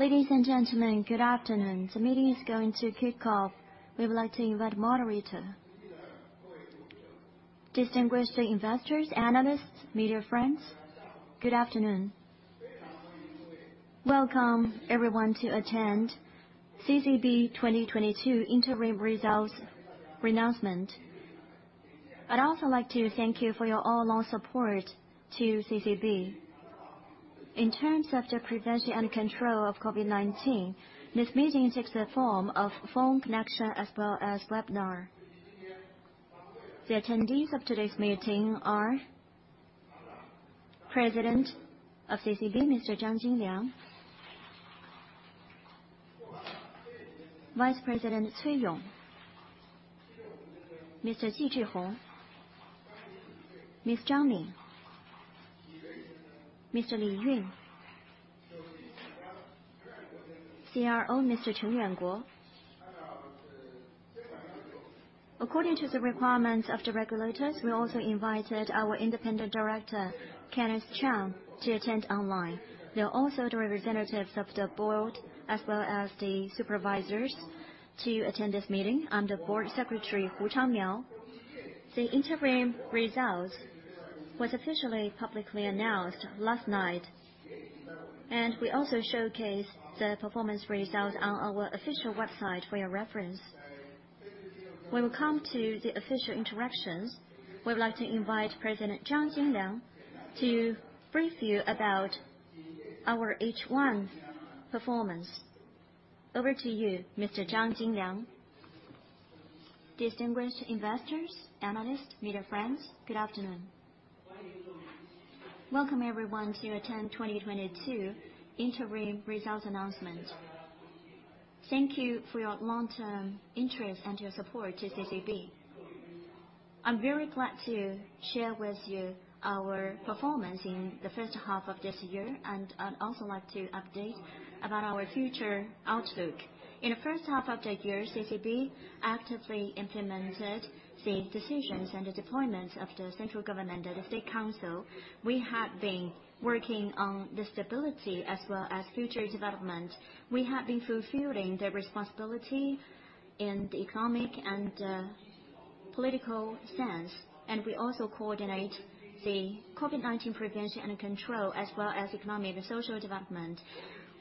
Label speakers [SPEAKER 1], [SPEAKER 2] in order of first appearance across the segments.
[SPEAKER 1] Ladies and gentlemen, good afternoon. The meeting is going to kick off. We would like to invite moderator.
[SPEAKER 2] Distinguished investors, analysts, media friends, good afternoon. Welcome everyone to attend CCB 2022 Interim Results Announcement. I'd also like to thank you for your all along support to CCB. In terms of the prevention and control of COVID-19, this meeting takes the form of phone connection as well as webinar. The attendees of today's meeting are President of CCB, Mr. Zhang Jinliang, Vice President Cui Yong, Mr. Ji Zhihong, Ms. Zhang Min, Mr. Li Yun, CRO Mr. Cheng Yuanguo. According to the requirements of the regulators, we also invited our independent director, Kenneth Patrick Chung, to attend online. There are also the representatives of the board as well as the supervisors to attend this meeting. I'm the board secretary, Hu Changmiao. The interim results was officially publicly announced last night, and we also showcase the performance results on our official website for your reference. When we come to the official interactions, we would like to invite President Zhang Jinliang to brief you about our H1 performance. Over to you, Mr. Zhang Jinliang.
[SPEAKER 3] Distinguished investors, analysts, media friends, good afternoon. Welcome everyone to attend 2022 interim results announcement. Thank you for your long-term interest and your support to CCB. I'm very glad to share with you our performance in the H1 of this year, and I'd also like to update about our future outlook. In the H1 of the year, CCB actively implemented the decisions and the deployments of the central government and the State Council. We have been working on the stability as well as future development. We have been fulfilling the responsibility in the economic and political sense, and we also coordinate the COVID-19 prevention and control as well as economic and social development.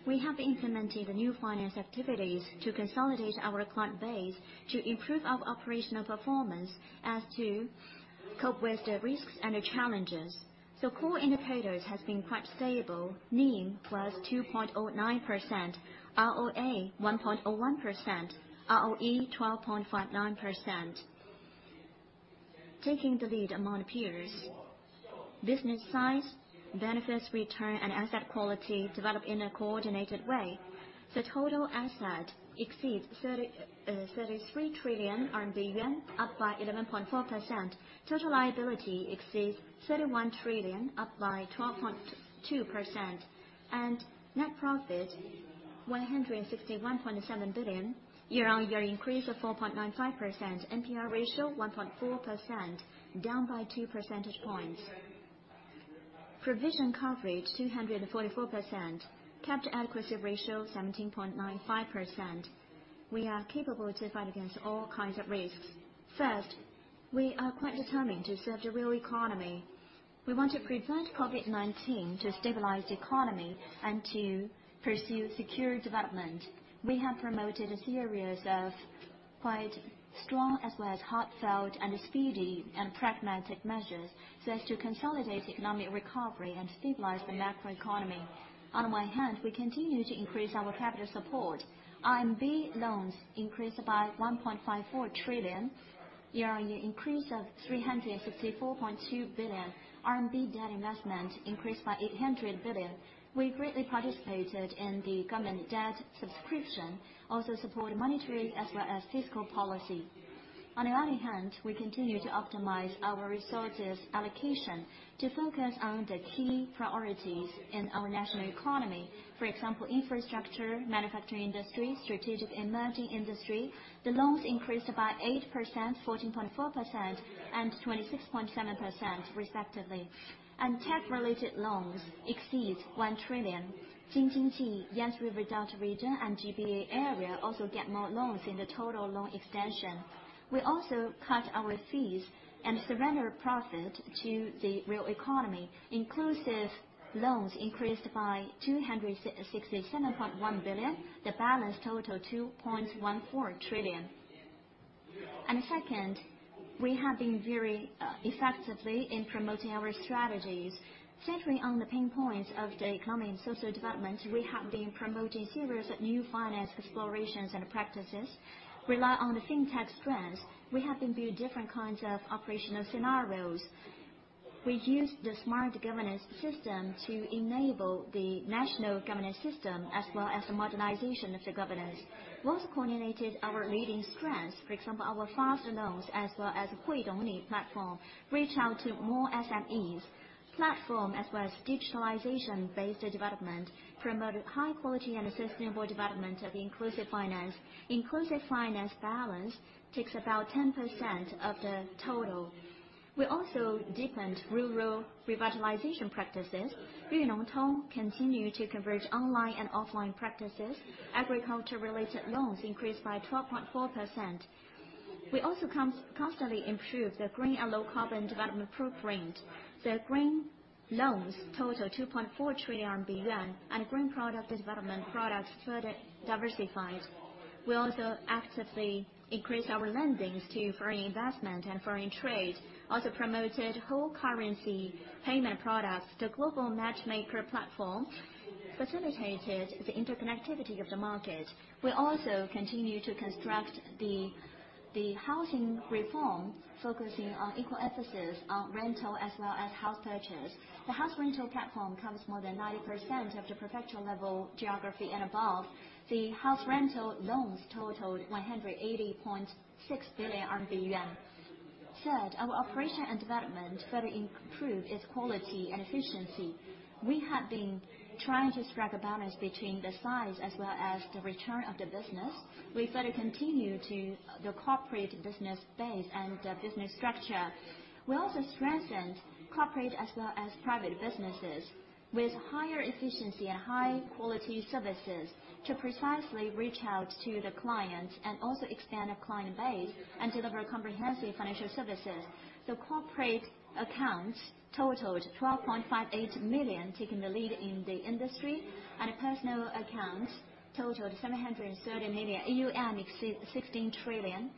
[SPEAKER 3] We have implemented the new finance activities to consolidate our client base to improve our operational performance as to cope with the risks and the challenges. Core indicators have been quite stable. NIM +2.09%. ROA 1.01%. ROE 12.59%. Taking the lead among peers. Business size, benefits return, and asset quality develop in a coordinated way. Total assets exceed 33 trillion yuan, up by 11.4%. Total liability exceeds 31 trillion, up by 12.2%. Net profit 161.7 billion, year-on-year increase of 4.95%. NPL ratio 1.4%, down by two percentage points. Provision coverage 244%. Capital adequacy ratio 17.95%. We are capable to fight against all kinds of risks. First, we are quite determined to serve the real economy. We want to prevent COVID-19 to stabilize the economy and to pursue secure development. We have promoted a series of quite strong as well as heartfelt and speedy and pragmatic measures so as to consolidate economic recovery and stabilize the macro economy. On one hand, we continue to increase our capital support. CNY loans increased by 1.54 trillion, year-on-year increase of 364.2 billion. CNY debt investment increased by 800 billion. We greatly participated in the government debt subscription, also support monetary as well as fiscal policy. On the other hand, we continue to optimize our resources allocation to focus on the key priorities in our national economy. For example, infrastructure, manufacturing industry, strategic emerging industry. The loans increased by 8%, 14.4%, and 26.7% respectively. Tech-related loans exceed 1 trillion. Jing-Jin-Ji, Yangtze River Delta region and GBA area also get more loans in the total loan extension. We also cut our fees and surrender profit to the real economy. Inclusive loans increased by 267.1 billion. The balance total 2.14 trillion. Second, we have been very effectively in promoting our strategies. Centering on the pain points of the economy and social development, we have been promoting series of new finance explorations and practices. Rely on the Fintech strengths, we have been build different kinds of operational scenarios. We use the Smart Governance system to enable the national governance system as well as the modernization of the governance. We coordinated our leading strengths, for example, our Quick loans as well as Hui Dong Ni platform, reach out to more SMEs. Platform as well as digitalization-based development promote high quality and sustainable development of inclusive finance. Inclusive finance balance takes about 10% of the total. We also deepened rural revitalization practices. Yunongtong continue to converge online and offline practices. Agriculture related loans increased by 12.4%. We also constantly improve the green and low carbon development footprint. The green loans total 2.4 trillion yuan, and green product development products further diversified. We also actively increase our lending to foreign investment and foreign trade, also promoted whole currency payment products. The Global Matchmaker platform facilitated the interconnectivity of the market. We also continue to construct the housing rental, focusing on equal emphasis on rental as well as house purchase. The house rental platform covers more than 90% of the prefecture-level cities and above. The house rental loans totalled 180.6 billion yuan. Third, our operation and development further improved its quality and efficiency. We have been trying to strike a balance between the size as well as the return of the business. We further optimized the corporate business base and the business structure. We also strengthened corporate as well as private businesses with higher efficiency and high quality services to precisely reach out to the clients and also expand the client base and deliver comprehensive financial services. The corporate accounts totalled 12.58 million, taking the lead in the industry, and personal accounts totalled 730 million. AUM exceeds 16 trillion.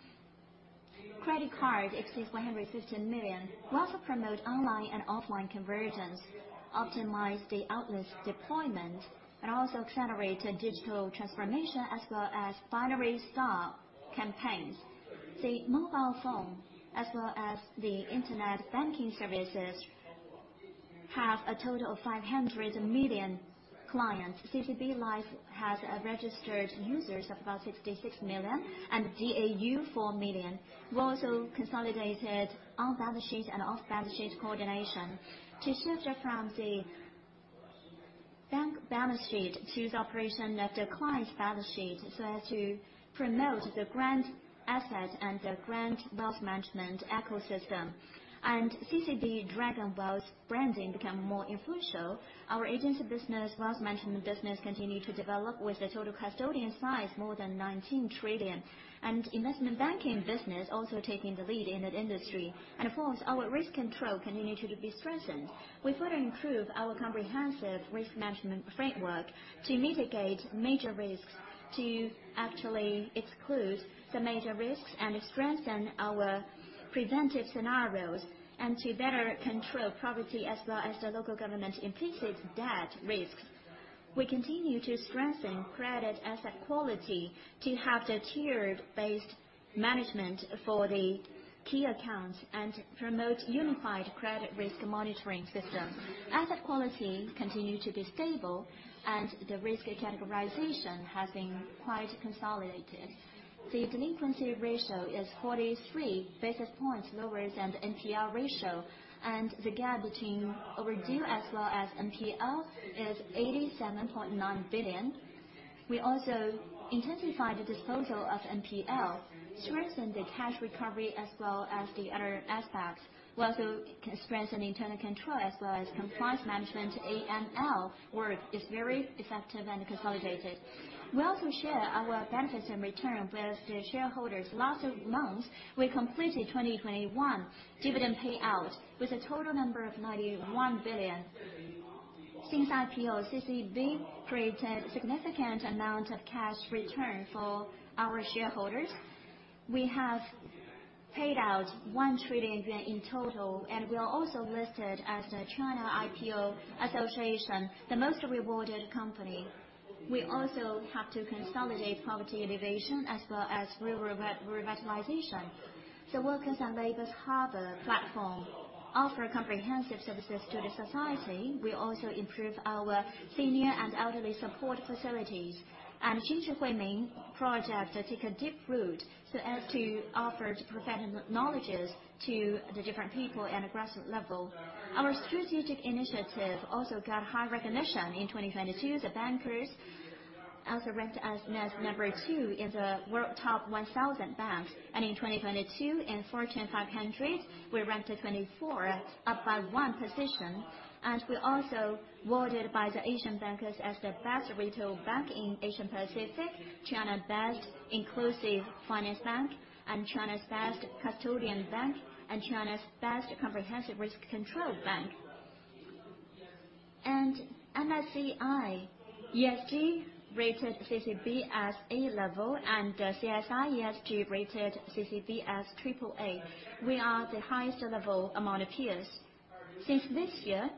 [SPEAKER 3] Credit cards exceeds 115 million. We also promote online and offline conversions, optimize the outlets deployments, and also accelerate digital transformation as well as Twin Star campaigns. The mobile phone as well as the internet banking services have a total of 500 million clients. CCB Life has registered users of about 66 million and DAU 4 million. We also consolidated on-balance sheet and off-balance sheet coordination to shift from the bank balance sheet to the operation of the client's balance sheet, so as to promote the grand asset and the grand wealth management ecosystem. CCB Dragon Wealth branding become more influential. Our agency business, wealth management business continue to develop with the total custodian size more than 19 trillion. Investment banking business also taking the lead in the industry. Of course, our risk control continued to be strengthened. We further improve our comprehensive risk management framework to mitigate major risks, to actually exclude the major risks and strengthen our preventive scenarios, and to better control property as well as the local government implicit debt risks. We continue to strengthen credit asset quality to have the tiered-based management for the key accounts and promote unified credit risk monitoring system. Asset quality continued to be stable and the risk categorization has been quite consolidated. The delinquency ratio is 43 basis points lower than the NPL ratio, and the gap between overdue as well as NPL is 87.9 billion. We also intensified the disposal of NPL, strengthened the cash recovery as well as the other aspects. We also strengthened internal control as well as compliance management. AML work is very effective and consolidated. We also share our benefits in return with the shareholders. Last two months, we completed 2021 dividend pay-out with a total number of 91 billion. Since IPO, CCB created significant amount of cash return for our shareholders. We have paid out 1 trillion yuan in total, and we are also listed as the China Association for Public Companies, the most rewarded company. We also have to consolidate poverty innovation as well as rural revitalization. The Worker's Harbour platform offer comprehensive services to the society. We also improve our senior and elderly support facilities. Xinjiang Huimin projects that take a deep root so as to offer professional knowledge to the different people at the grassroots level. Our strategic initiative also got high recognition in 2022. The Banker also ranked as number two in the world's top 1,000 banks. In 2022, in Fortune 500, we ranked at 24, up by one position. We were also awarded by The Asian Banker as the best retail bank in Asia-Pacific, China's best inclusive finance bank, and China's best custodian bank, and China's best comprehensive risk control bank. MSCI ESG rated CCB as A level and CSI ESG rated CCB as AAA. We are the highest level among our peers. Since this year,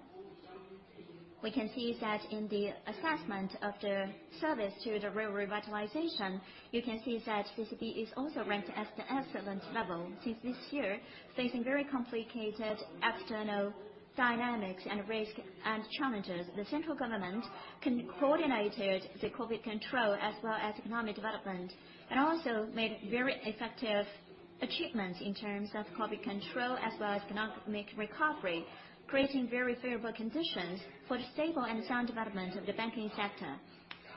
[SPEAKER 3] we can see that in the assessment of the service to the rural revitalization, you can see that CCB is also ranked as the excellent level. Since this year, facing very complicated external dynamics and risk and challenges, the central government coordinated the COVID control as well as economic development. Also made very effective achievements in terms of COVID control as well as economic recovery, creating very favourable conditions for the stable and sound development of the banking sector.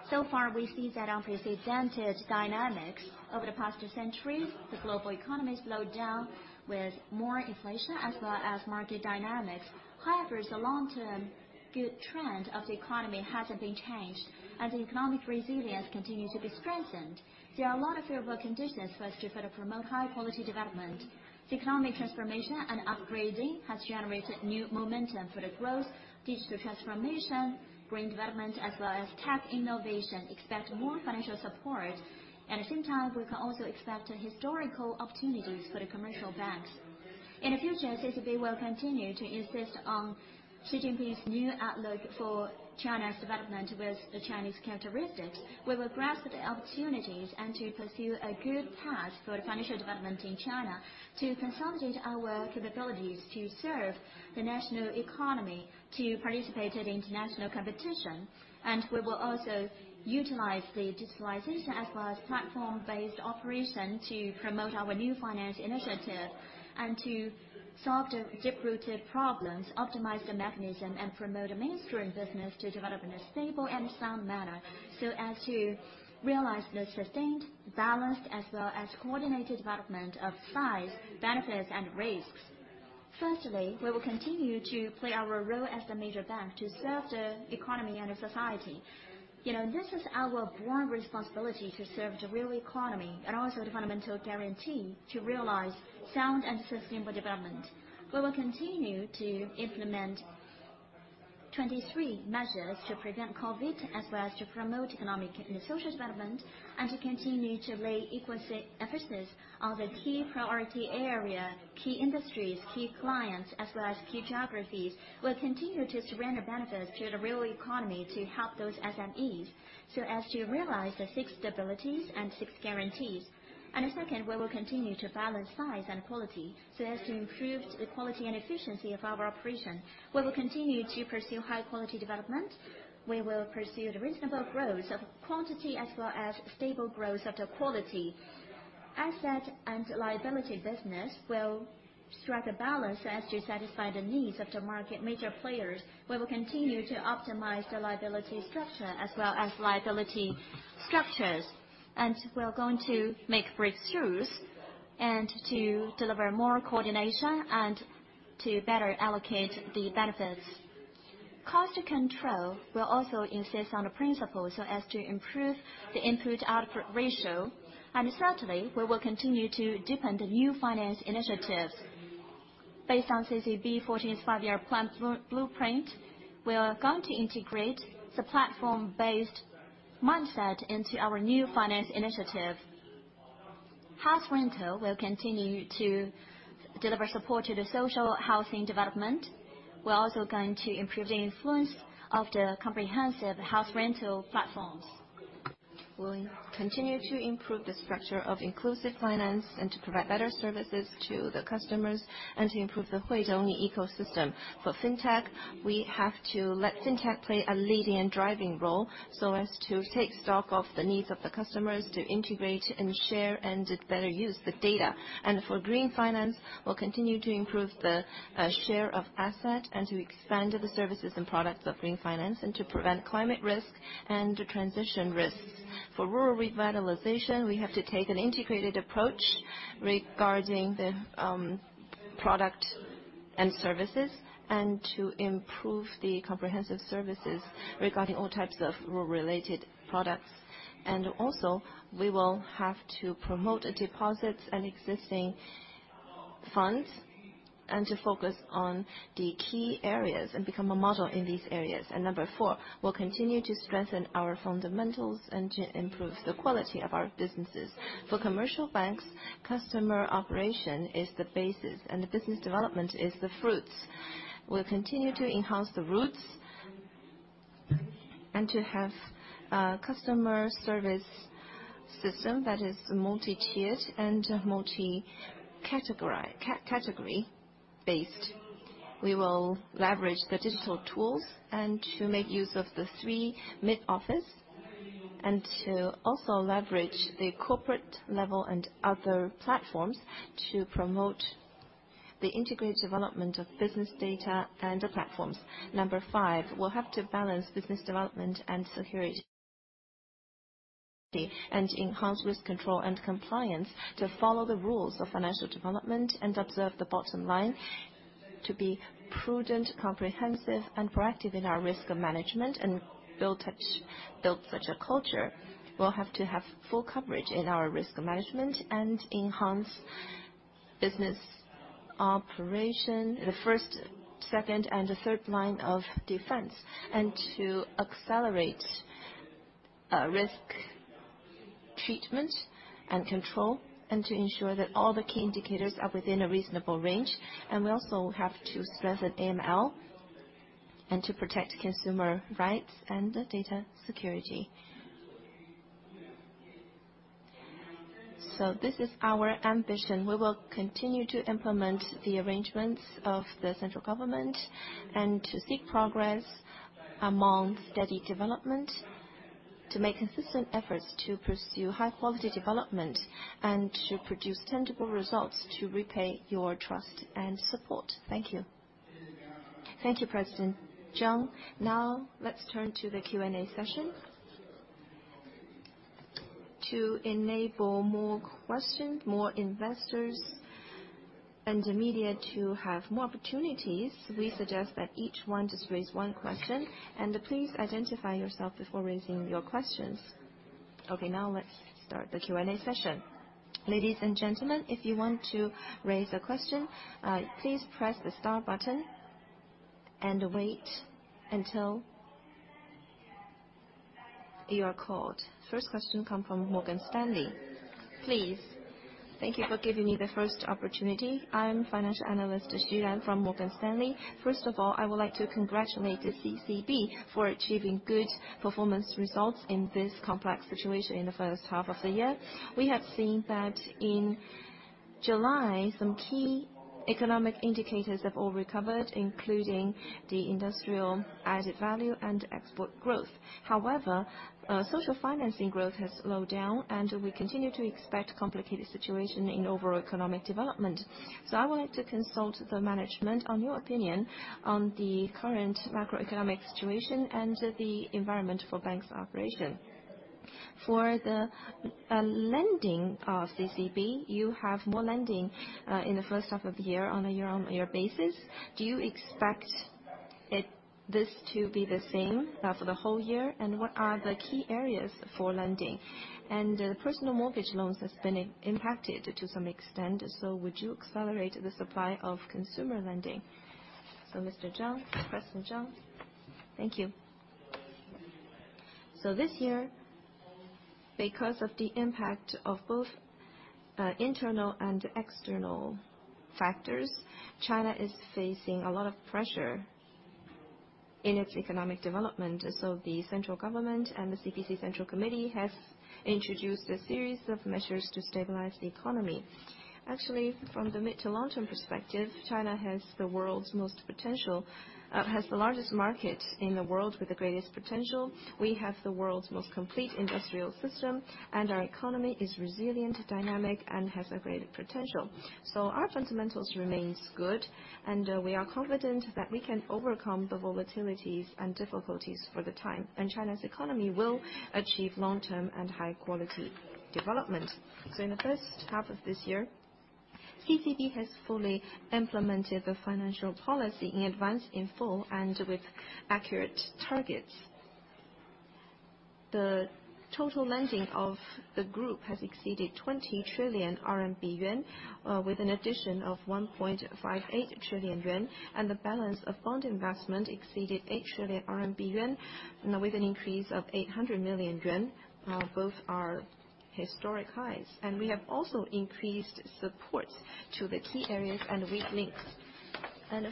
[SPEAKER 3] So far, we see unprecedented dynamics over the past two centuries, the global economy slowed down with more inflation as well as market dynamics. However, the long-term good trend of the economy hasn't been changed and the economic resilience continues to be strengthened. There are a lot of favourable conditions for us to further promote high quality development. The economic transformation and upgrading has generated new momentum for the growth, digital transformation, green development, as well as tech innovation. Expect more financial support. At the same time, we can also expect historical opportunities for the commercial banks. In the future, CCB will continue to insist on Xi Jinping's new outlook for China's development with the Chinese characteristics. We will grasp the opportunities and to pursue a good path for the financial development in China to consolidate our capabilities to serve the national economy, to participate in international competition. We will also utilize the digitalization as well as platform-based operation to promote our new finance initiative and to solve the deep-rooted problems, optimize the mechanism, and promote the mainstream business to develop in a stable and sound manner, so as to realize the sustained balance as well as coordinated development of size, benefits, and risks. Firstly, we will continue to play our role as the major bank to serve the economy and the society. You know, this is our broad responsibility to serve the real economy and also the fundamental guarantee to realize sound and sustainable development. We will continue to implement 23 measures to prevent COVID as well as to promote economic and social development, and to continue to lay equal emphasis on the key priority area, key industries, key clients, as well as key geographies. We'll continue to surrender benefits to the real economy to help those SMEs, so as to realize the six stabilities and six guarantees. The second, we will continue to balance size and quality, so as to improve the quality and efficiency of our operation. We will continue to pursue high quality development. We will pursue the reasonable growth of quantity as well as stable growth of the quality. Asset and liability business will strike a balance as to satisfy the needs of the market major players. We will continue to optimize the liability structure as well as liability structures. We are going to make breakthroughs and to deliver more coordination and to better allocate the benefits. Cost control will also insist on the principles so as to improve the input/output ratio. Certainly, we will continue to deepen the new finance initiatives. Based on CCB 14th Five-Year Plan blueprint, we are going to integrate the platform-based mindset into our new finance initiative. House rental will continue to deliver support to the social housing development. We're also going to improve the influence of the comprehensive house rental platforms. We'll continue to improve the structure of inclusive finance and to provide better services to the customers and to improve the Huihaixin ecosystem. For Fintech, we have to let Fintech play a leading and driving role so as to take stock of the needs of the customers to integrate and share and better use the data. For green finance, we'll continue to improve the share of asset and to expand the services and products of green finance and to prevent climate risk and transition risks. For rural revitalization, we have to take an integrated approach regarding the product and services and to improve the comprehensive services regarding all types of rural related products. Also, we will have to promote deposits and existing funds and to focus on the key areas and become a model in these areas. Number four, we'll continue to strengthen our fundamentals and to improve the quality of our businesses. For commercial banks, customer operation is the basis and the business development is the fruits. We'll continue to enhance the roots and to have customer service system that is multi-tiered and multi-category based. We will leverage the digital tools and to make use of the three mid-office and to also leverage the corporate level and other platforms to promote the integrated development of business data and the platforms. Number five, we'll have to balance business development and security and enhance risk control and compliance to follow the rules of financial development and observe the bottom line to be prudent, comprehensive, and proactive in our risk management and build such a culture. We'll have to have full coverage in our risk management and enhance business operation, the first, second, and the third line of defense, and to accelerate risk treatment and control, and to ensure that all the key indicators are within a reasonable range. We also have to strengthen AML and to protect consumer rights and the data security. This is our ambition. We will continue to implement the arrangements of the central government and to seek progress among steady development, to make consistent efforts to pursue high quality development and to produce tangible results to repay your trust and support. Thank you.
[SPEAKER 2] Thank you, President Zhang. Now let's turn to the Q&A session. To enable more questions, more investors, and the media to have more opportunities, we suggest that each one just raise one question. Please identify yourself before raising your questions. Okay, now let's start the Q&A session. Ladies and gentlemen, if you want to raise a question, please press the star button and wait until you are called. First question come from Morgan Stanley. Please.
[SPEAKER 4] Thank you for giving me the first opportunity. I'm financial analyst Xu Lan from Morgan Stanley. First of all, I would like to congratulate the CCB for achieving good performance results in this complex situation in the H1 of the year. We have seen that in July, some key economic indicators have all recovered, including the industrial added value and export growth. However, social financing growth has slowed down, and we continue to expect complicated situation in overall economic development. I wanted to consult the management on your opinion on the current macroeconomic situation and the environment for banks' operation. For the lending of CCB, you have more lending in the H1 of the year on a year-on-year basis. Do you expect this to be the same for the whole year? And what are the key areas for lending? And personal mortgage loans has been impacted to some extent, so would you accelerate the supply of consumer lending?
[SPEAKER 2] Mr. Zhang, President Zhang. Thank you.
[SPEAKER 3] This year, because of the impact of both internal and external factors, China is facing a lot of pressure in its economic development. The central government and the CPC Central Committee has introduced a series of measures to stabilize the economy. Actually, from the mid to long-term perspective, China has the world's most potential, has the largest market in the world with the greatest potential. We have the world's most complete industrial system, and our economy is resilient, dynamic, and has a great potential. Our fundamentals remains good, and we are confident that we can overcome the volatilities and difficulties for the time, and China's economy will achieve long-term and high-quality development. In the H1 of this year, CCB has fully implemented the financial policy in advance, in full, and with accurate targets. The total lending of the group has exceeded 20 trillion yuan, with an addition of 1.58 trillion yuan, and the balance of bond investment exceeded 8 trillion yuan, with an increase of 800 million yuan. Both are historic highs. We have also increased support to the key areas and weak links.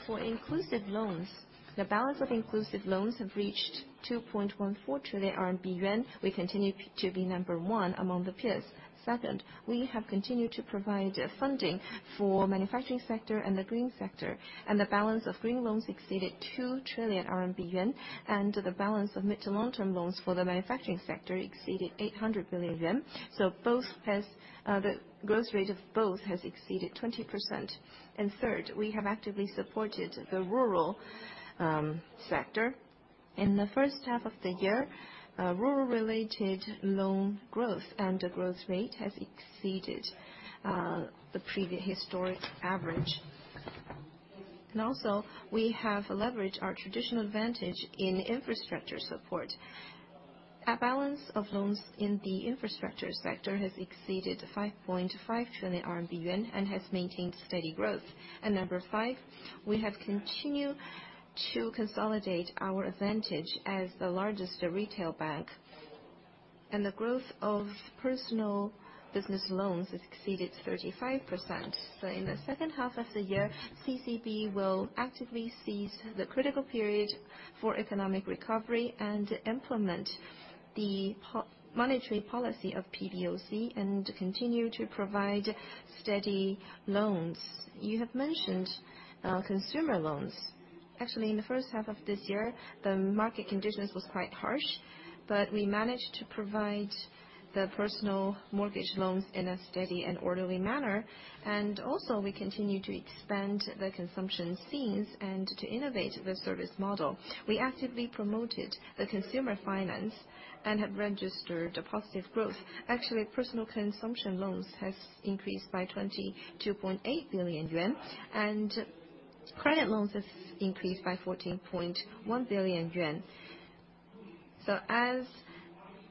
[SPEAKER 3] For inclusive loans, the balance of inclusive loans have reached 2.14 trillion yuan. We continue to be number one among the peers. Second, we have continued to provide funding for manufacturing sector and the green sector, and the balance of green loans exceeded 2 trillion yuan, and the balance of mid- to long-term loans for the manufacturing sector exceeded 800 billion yuan. Both has the growth rate of both has exceeded 20%. Third, we have actively supported the rural sector. In the H1 of the year, rural-related loan growth and the growth rate has exceeded historic average. Also, we have leveraged our traditional advantage in infrastructure support. Our balance of loans in the infrastructure sector has exceeded 5.5 trillion yuan and has maintained steady growth. Number five, we have continued to consolidate our advantage as the largest retail bank, and the growth of personal business loans has exceeded 35%. In the H2 of the year, CCB will actively seize the critical period for economic recovery and implement the monetary policy of PBOC and continue to provide steady loans. You have mentioned consumer loans. Actually, in the H1 of this year, the market conditions was quite harsh, but we managed to provide the personal mortgage loans in a steady and orderly manner, and also we continued to expand the consumption scenes and to innovate the service model. We actively promoted the consumer finance and have registered a positive growth. Actually, personal consumption loans has increased by 22.8 billion yuan, and credit loans has increased by 14.1 billion yuan. As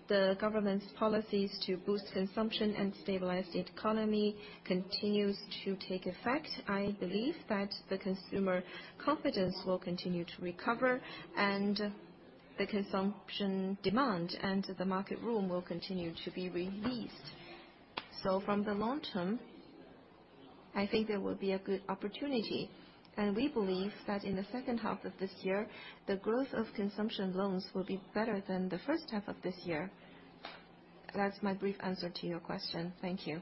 [SPEAKER 3] the government's policies to boost consumption and stabilize the economy continues to take effect, I believe that the consumer confidence will continue to recover, and the consumption demand and the market room will continue to be released. From the long term, I think there will be a good opportunity, and we believe that in the H2 of this year, the growth of consumption loans will be better than the H1 of this year. That's my brief answer to your question. Thank you.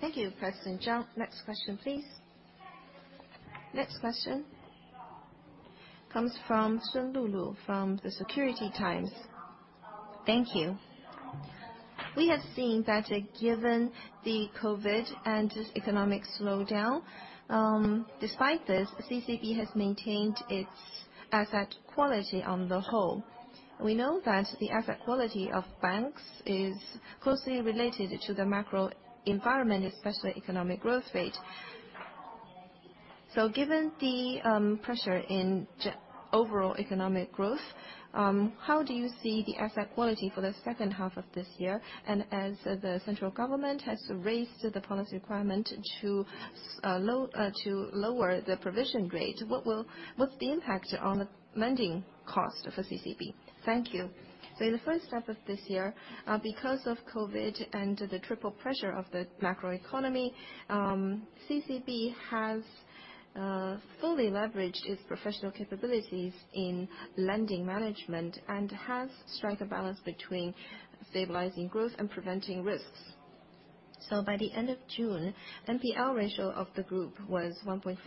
[SPEAKER 2] Thank you, President Zhang. Next question, please. Next question comes from Sun Lulu from the Securities Times.
[SPEAKER 5] Thank you. We have seen that given the COVID and this economic slowdown, despite this, CCB has maintained its asset quality on the whole. We know that the asset quality of banks is closely related to the macro environment, especially economic growth rate. Given the pressure in overall economic growth, how do you see the asset quality for the H2 of this year? As the central government has raised the policy requirement to lower the provision rate, what's the impact on the lending cost for CCB? Thank you.
[SPEAKER 3] In the H1 of this year, because of COVID and the triple pressure of the macroeconomy, CCB has fully leveraged its professional capabilities in lending management and has struck a balance between stabilizing growth and preventing risks. By the end of June, NPL ratio of the group was 1.4%,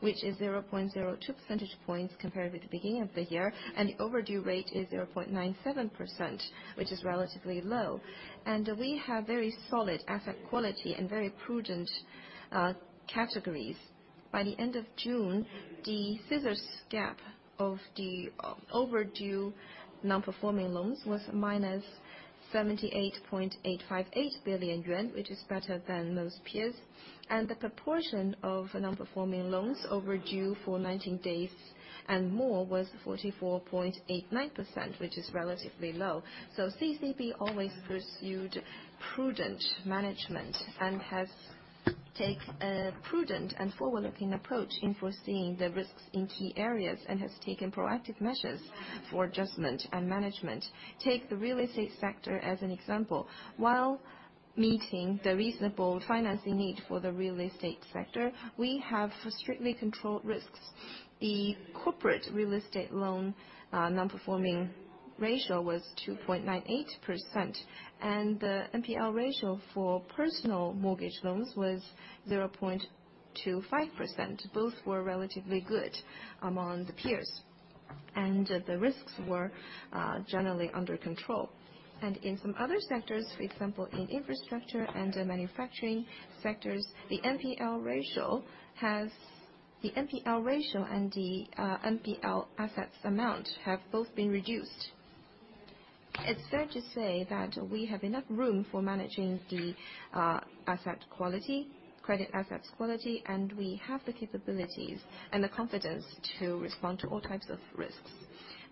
[SPEAKER 3] which is 0.02 percentage points compared with the beginning of the year, and the overdue rate is 0.97%, which is relatively low. We have very solid asset quality and very prudent categories. By the end of June, the scissors gap of the overdue non-performing loans was -78.858 billion yuan, which is better than most peers. The proportion of non-performing loans overdue for 90 days and more was 44.89%, which is relatively low. CCB always pursued prudent management and has taken a prudent and forward-looking approach in foreseeing the risks in key areas and has taken proactive measures for adjustment and management. Take the real estate sector as an example. While meeting the reasonable financing need for the real estate sector, we have strictly controlled risks. The corporate real estate loan non-performing ratio was 2.98%, and the NPL ratio for personal mortgage loans was 0.25%. Both were relatively good among the peers. The risks were generally under control. In some other sectors, for example, in infrastructure and the manufacturing sectors, the NPL ratio and the NPL assets amount have both been reduced. It's fair to say that we have enough room for managing the asset quality, credit assets quality, and we have the capabilities and the confidence to respond to all types of risks.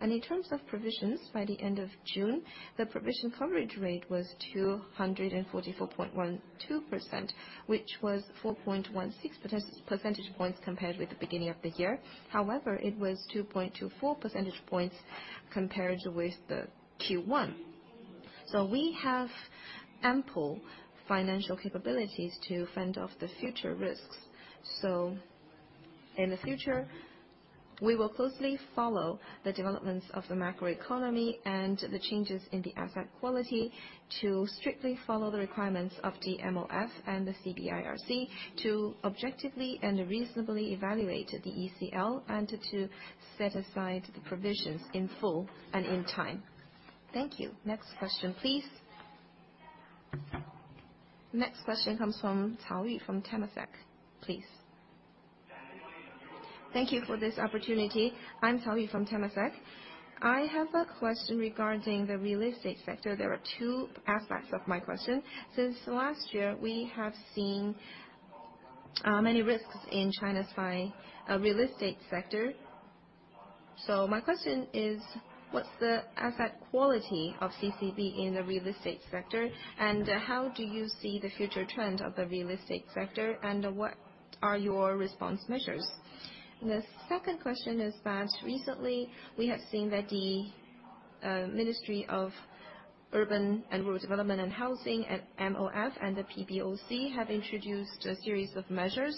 [SPEAKER 3] In terms of provisions, by the end of June, the provision coverage rate was 244.12%, which was 4.16 percentage points compared with the beginning of the year. However, it was 2.24 percentage points compared with the Q1. We have ample financial capabilities to fend off the future risks. In the future, we will closely follow the developments of the macroeconomy and the changes in the asset quality to strictly follow the requirements of the MOF and the CBIRC to objectively and reasonably evaluate the ECL and to set aside the provisions in full and in time. Thank you. Next question, please.
[SPEAKER 2] Next question comes from Cao Yu from Temasek, please.
[SPEAKER 6] Thank you for this opportunity. I'm Cao Yu from Temasek. I have a question regarding the real estate sector. There are two aspects of my question. Since last year, we have seen many risks in China's real estate sector. My question is, what's the asset quality of CCB in the real estate sector? And how do you see the future trend of the real estate sector? And what are your response measures? The second question is that recently we have seen that the Ministry of Housing and Urban-Rural Development at MOF and the PBOC have introduced a series of measures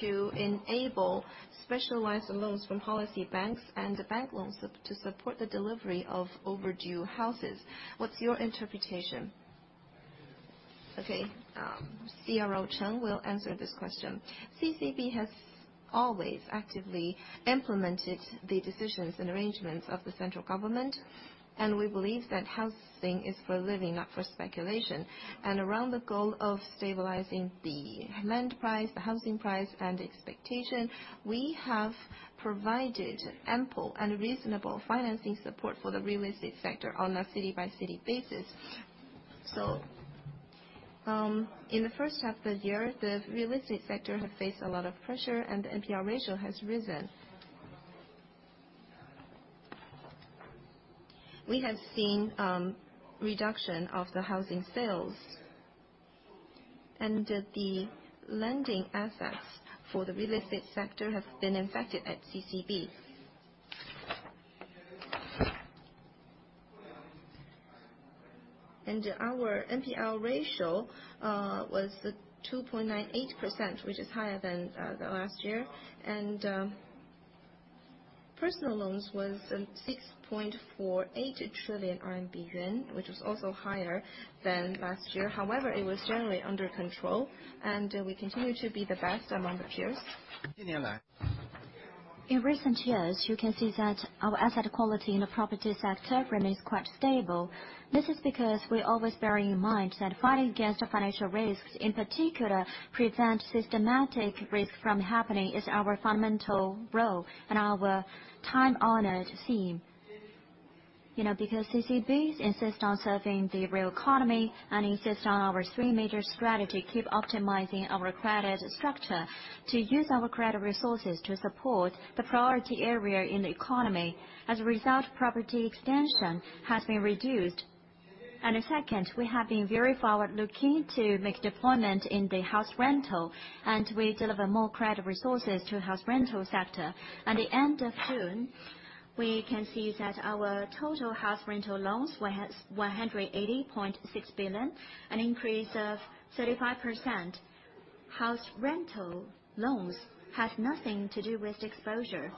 [SPEAKER 6] to enable specialized loans from policy banks and the bank loans to support the delivery of overdue houses. What's your interpretation?
[SPEAKER 7] Okay. CRO Cheng will answer this question. CCB has always actively implemented the decisions and arrangements of the central government, and we believe that housing is for living, not for speculation. Around the goal of stabilizing the land price, the housing price, and expectation, we have provided ample and reasonable financing support for the real estate sector on a city-by-city basis. In the H1 of the year, the real estate sector have faced a lot of pressure and the NPL ratio has risen. We have seen reduction of the housing sales. The lending assets for the real estate sector have been impacted at CCB. Our NPL ratio was 2.98%, which is higher than the last year. Personal loans was 6.48 trillion yuan, which was also higher than last year. However, it was generally under control, and we continue to be the best among the peers. In recent years, you can see that our asset quality in the property sector remains quite stable. This is because we're always bearing in mind that fighting against financial risks, in particular, prevent systematic risk from happening is our fundamental role and our time-honoured theme. You know, because CCB insists on serving the real economy and insists on our three major strategy, keep optimizing our credit structure to use our credit resources to support the priority area in the economy. As a result, property expansion has been reduced. Second, we have been very forward-looking to make deployment in the house rental, and we deliver more credit resources to house rental sector. At the end of June, we can see that our total house rental loans were 180.6 billion, an increase of 35%. House rental loans has nothing to do with exposure.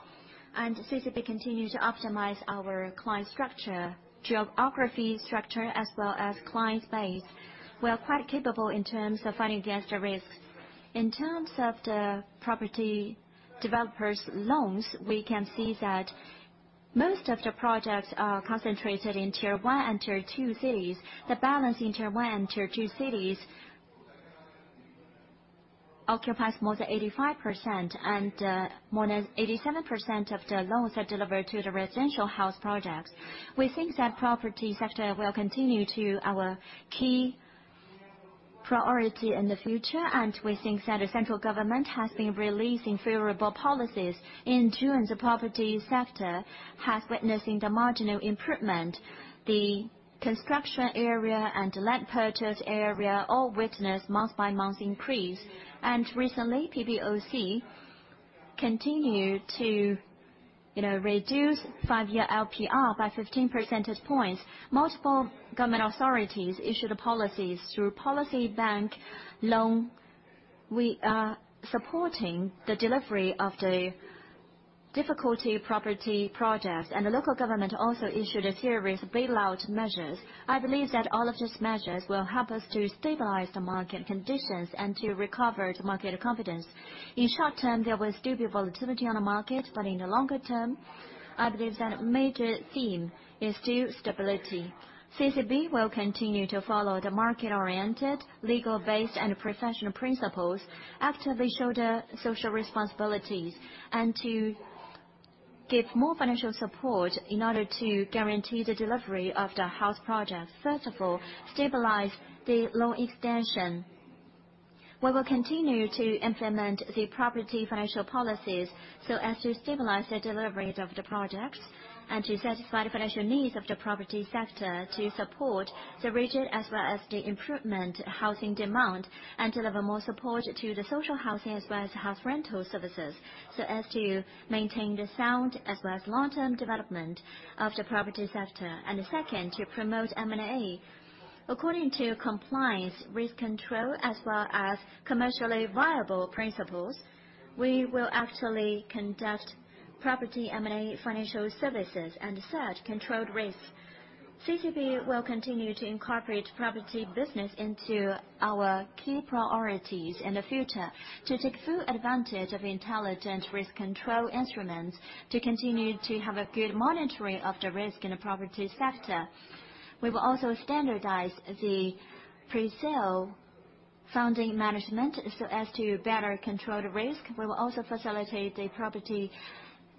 [SPEAKER 2] CCB continue to optimize our client structure, geography structure, as well as client base. We are quite capable in terms of fighting against the risks. In terms of the property developers loans, we can see that most of the projects are concentrated in Tier One and Tier Two cities. The balance in Tier One and Tier Two cities occupies more than 85%, and more than 87% of the loans are delivered to the residential house projects. We think that property sector will continue to our key priority in the future, and we think that the central government has been releasing favourable policies into, and the property sector has witnessing the marginal improvement. The construction area and land purchase area all witness month by month increase. Recently, PBOC continued to, you know, reduce five-year LPR by 15 percentage points.
[SPEAKER 7] Multiple government authorities issued the policies through policy bank loan. We are supporting the delivery of the difficult property projects, and the local government also issued a series of bailout measures. I believe that all of these measures will help us to stabilize the market conditions and to recover the market confidence. In short term, there will still be volatility on the market, but in the longer term, I believe that major theme is still stability. CCB will continue to follow the market-oriented, legal-based, and professional principles, actively show the social responsibilities, and to give more financial support in order to guarantee the delivery of the housing projects. First of all, stabilize the loan extension. We will continue to implement the property financial policies so as to stabilize the delivery of the projects and to satisfy the financial needs of the property sector to support the region, as well as the improvement housing demand, and deliver more support to the social housing as well as house rental services, so as to maintain the sound as well as long-term development of the property sector. The second, to promote M&A. According to compliance, risk control, as well as commercially viable principles, we will actually conduct property M&A financial services. Third, controlled risks. CCB will continue to incorporate property business into our key priorities in the future to take full advantage of intelligent risk control instruments to continue to have a good monitoring of the risk in the property sector. We will also standardize the presale funding management so as to better control the risk. We will also facilitate the property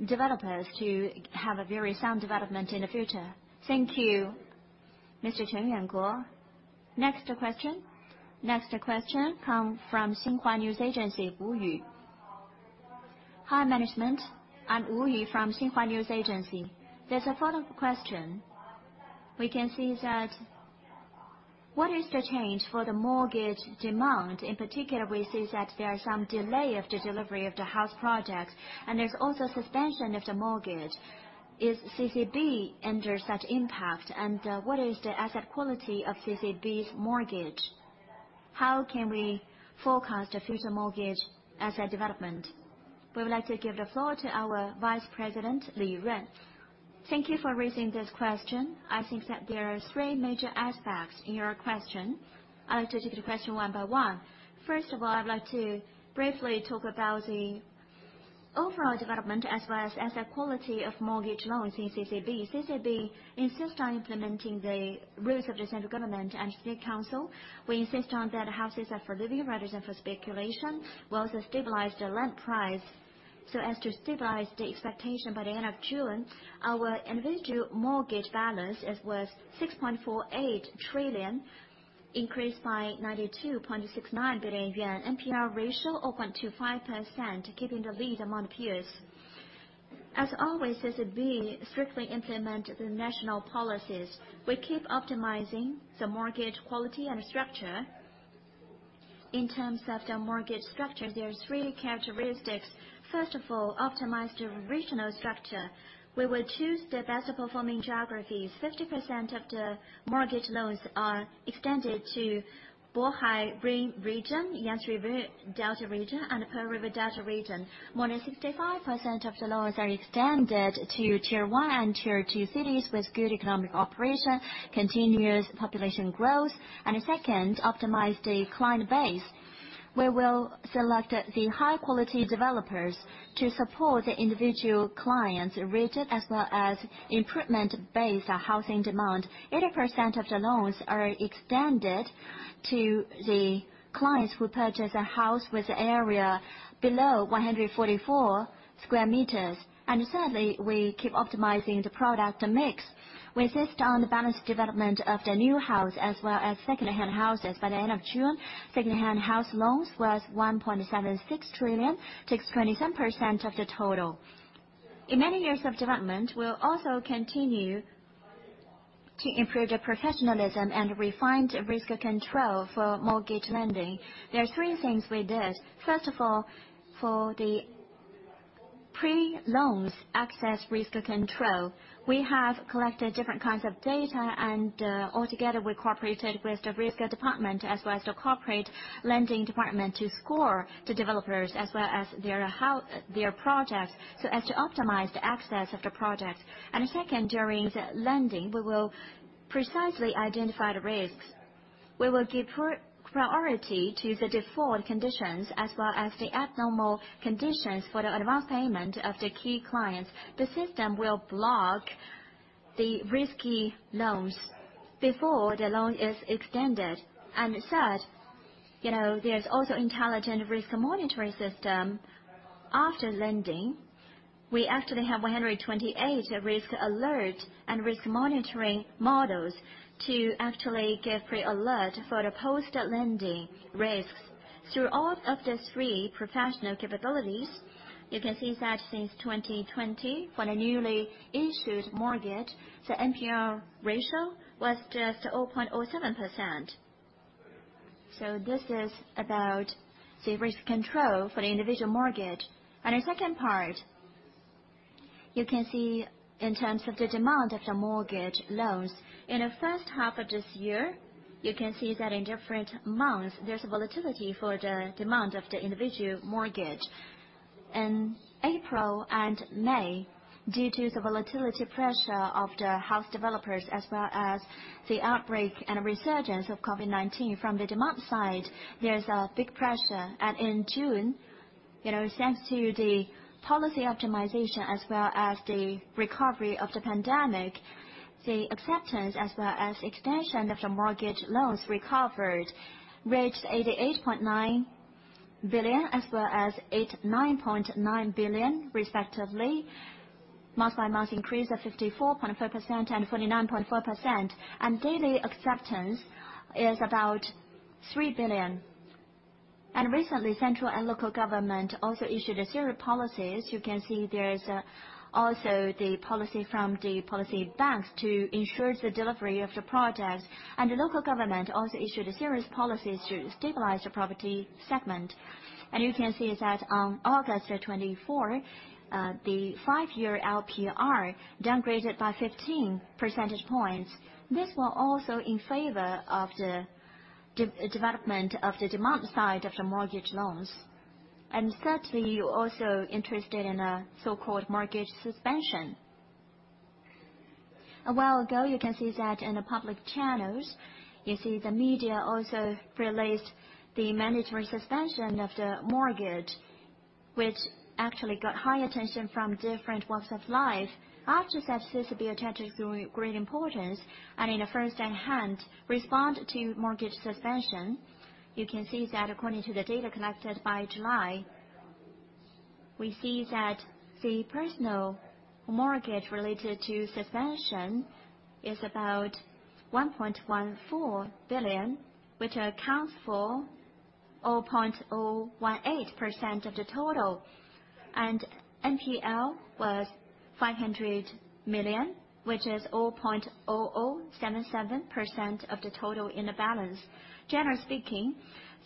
[SPEAKER 7] developers to have a very sound development in the future.
[SPEAKER 2] Thank you. Mr. Cheng Yuanguo. Next question from Xinhua News Agency, Wu Yu.
[SPEAKER 8] Hi, management. I'm Wu Yu from Xinhua News Agency. There's a follow-up question. We can see that. What is the change for the mortgage demand? In particular, we see that there are some delay of the delivery of the house projects, and there's also suspension of the mortgage. Is CCB under such impact? And, what is the asset quality of CCB's mortgage? How can we forecast the future mortgage asset development?
[SPEAKER 2] We would like to give the floor to our Vice President Li Yun.
[SPEAKER 9] Thank you for raising this question. I think that there are three major aspects in your question. I'll take the question one by one. First of all, I'd like to briefly talk about the overall development as well as asset quality of mortgage loans in CCB. CCB insists on implementing the rules of the central government and State Council. We insist on that houses are for living rather than for speculation, while to stabilize the land price so as to stabilize the expectation by the end of June. Our individual mortgage balance is worth 6.48 trillion, increased by 92.69 billion yuan. NPL ratio down to 0.5%, keeping the lead among peers. As always, CCB strictly implement the national policies. We keep optimizing the mortgage quality and structure. In terms of the mortgage structure, there's three characteristics. First of all, optimize the regional structure. We will choose the best performing geographies. 50% of the mortgage loans are extended to Bohai Rim region, Yangtze River Delta region, and Pearl River Delta region. More than 65% of the loans are extended to Tier one and Tier two cities with good economic operation, continuous population growth. Second, optimize the client base. We will select the high-quality developers to support the individual clients' rigid as well as improvement-based housing demand. 80% of the loans are extended to the clients who purchase a house with an area below 144 square meters. Thirdly, we keep optimizing the product mix. We insist on the balanced development of the new house as well as second-hand houses. By the end of June, second-hand house loans was 1.76 trillion, takes 27% of the total. In many years of development, we'll also continue to improve the professionalism and refined risk control for mortgage lending. There are three things we did. First of all, for the pre-loan access risk control, we have collected different kinds of data and all together we cooperated with the risk department as well as the corporate lending department to score the developers as well as their projects, so as to optimize the access of the project. Second, during the lending, we will precisely identify the risks. We will give priority to the default conditions as well as the abnormal conditions for the advance payment of the key clients. The system will block the risky loans before the loan is extended. Third, you know, there's also intelligent risk monitoring system. After lending, we actually have 128 risk alert and risk monitoring models to actually give pre-alert for the post-lending risks. Through all of these three professional capabilities, you can see that since 2020, for the newly issued mortgage, the NPL ratio was just 0.07%. This is about the risk control for the individual mortgage. The second part, you can see in terms of the demand of the mortgage loans. In the H1 of this year, you can see that in different months, there's a volatility for the demand of the individual mortgage. In April and May, due to the volatility pressure of the house developers, as well as the outbreak and resurgence of COVID-19, from the demand side, there's a big pressure. In June, you know, thanks to the policy optimization as well as the recovery of the pandemic, the acceptance as well as extension of the mortgage loans recovered reached 88.9 billion, as well as 89.9 billion respectively. Month-by-month increase of 54.4% and 49.4%. Daily acceptance is about 3 billion. Recently, central and local government also issued a series of policies. You can see there's also the policy from the policy banks to ensure the delivery of the project. The local government also issued a series of policies to stabilize the property segment. You can see that on August the twenty-fourth, the 5-year LPR downgraded by 15 percentage points. This was also in favour of the development of the demand side of the mortgage loans. Thirdly, you're also interested in a so-called mortgage suspension. A while ago, you can see that in the public channels, you see the media also released the management suspension of the mortgage, which actually got high attention from different walks of life. After that, CCB attached great importance, and in the first hand respond to mortgage suspension. You can see that according to the data collected by July, we see that the personal mortgage related to suspension is about 1.14 billion, which accounts for 0.018% of the total. NPL was 500 million, which is 0.0077% of the total in the balance. Generally speaking,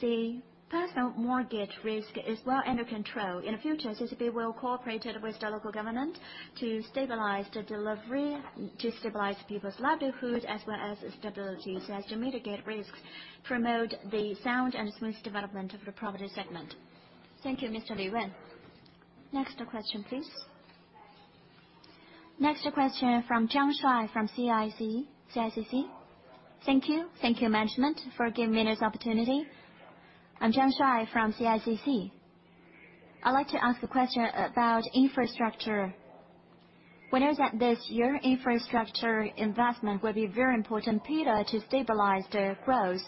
[SPEAKER 9] the personal mortgage risk is well under control. In the future, CCB will cooperate with the local government to stabilize the delivery, to stabilize people's livelihoods, as well as stability, so as to mitigate risks, promote the sound and smooth development of the property segment.
[SPEAKER 3] Thank you, Mr. Li Yun. Next question, please.
[SPEAKER 2] Next question from Zhang Shuai from CICC. Thank you.
[SPEAKER 10] Thank you, management for giving me this opportunity. I'm Zhang Shuai from CICC. I'd like to ask a question about infrastructure. We know that this year, infrastructure investment will be a very important pillar to stabilize the growth.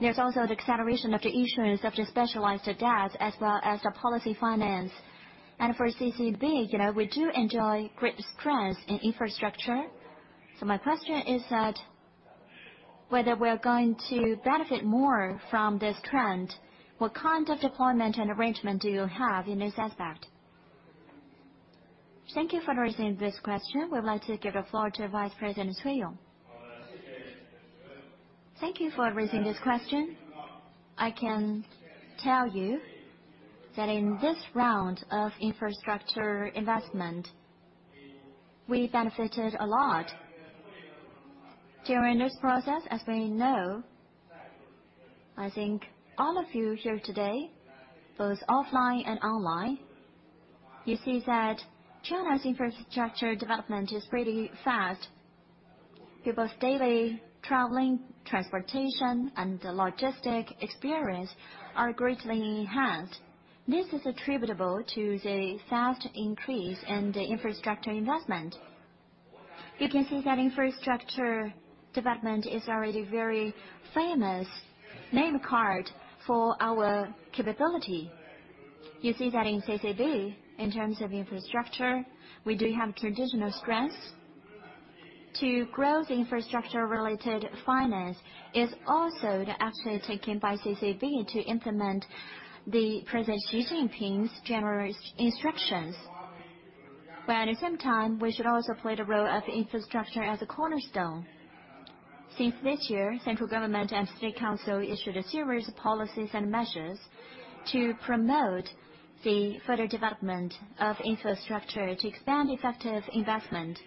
[SPEAKER 10] There's also the acceleration of the issuance of the specialized debt as well as the policy finance. For CCB, you know, we do enjoy great strength in infrastructure. My question is that, whether we're going to benefit more from this trend, what kind of deployment and arrangement do you have in this aspect?
[SPEAKER 2] Thank you for raising this question. We'd like to give the floor to Vice President Cui Yong.
[SPEAKER 11] Thank you for raising this question. I can tell you that in this round of infrastructure investment, we benefited a lot. During this process, as we know, I think all of you here today, both offline and online, you see that China's infrastructure development is pretty fast. People's daily traveling, transportation, and logistics experience are greatly enhanced. This is attributable to the fast increase in the infrastructure investment. You can see that infrastructure development is already very famous name card for our capability. You see that in CCB, in terms of infrastructure, we do have traditional strengths. To grow the infrastructure-related finance is also the action taken by CCB to implement President Xi Jinping's general instructions. At the same time, we should also play the role of infrastructure as a cornerstone. Since this year, central government and State Council issued a series of policies and measures to promote the further development of infrastructure to expand effective investment.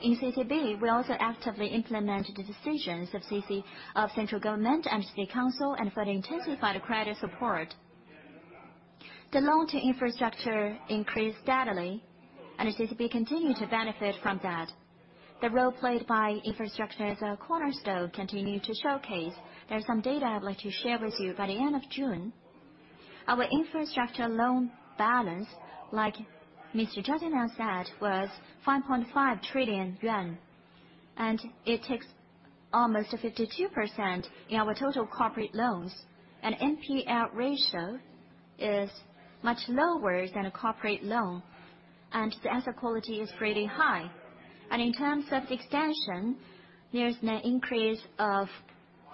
[SPEAKER 11] In CCB, we also actively implement the decisions of central government and State Council and further intensify the credit support. The loan to infrastructure increased steadily, and CCB continued to benefit from that. The role played by infrastructure as a cornerstone continued to showcase. There are some data I'd like to share with you. By the end of June, our infrastructure loan balance, like Mr. Zhang now said, was 5.5 trillion yuan, and it takes almost 52% in our total corporate loans. NPL ratio is much lower than a corporate loan, and the asset quality is pretty high. In terms of extension, there's an increase of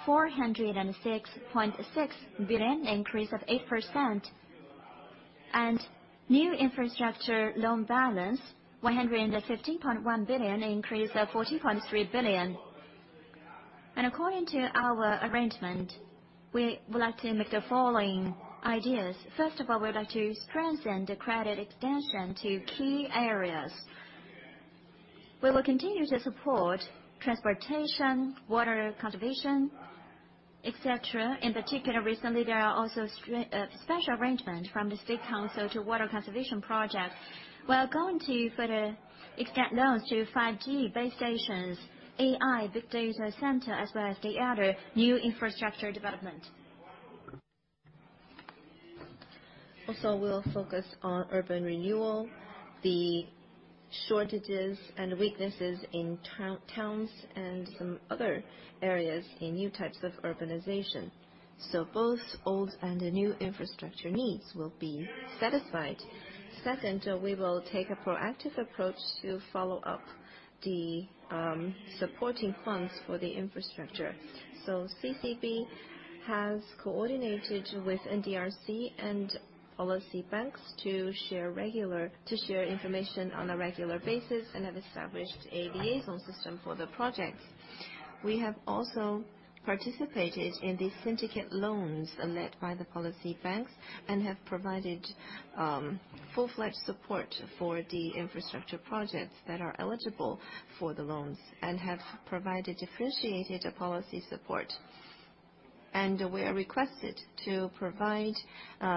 [SPEAKER 11] 406.6 billion, an increase of 8%. New infrastructure loan balance, 115.1 billion, an increase of 40.3 billion. According to our arrangement, we would like to make the following ideas. First of all, we would like to strengthen the credit extension to key areas. We will continue to support transportation, water conservation, etc. In particular, recently, there are also special arrangement from the State Council to water conservation projects. We are going to further extend loans to 5G base stations, AI, big data centre, as well as the other new infrastructure development. We'll focus on urban renewal, the shortages and weaknesses in towns and some other areas in new types of urbanization. Both old and the new infrastructure needs will be satisfied. Second, we will take a proactive approach to follow up the supporting funds for the infrastructure. CCB has coordinated with NDRC and policy banks to share information on a regular basis and have established a liaison system for the projects. We have also participated in the syndicate loans led by the policy banks and have provided full-fledged support for the infrastructure projects that are eligible for the loans and have provided differentiated policy support. We are requested to provide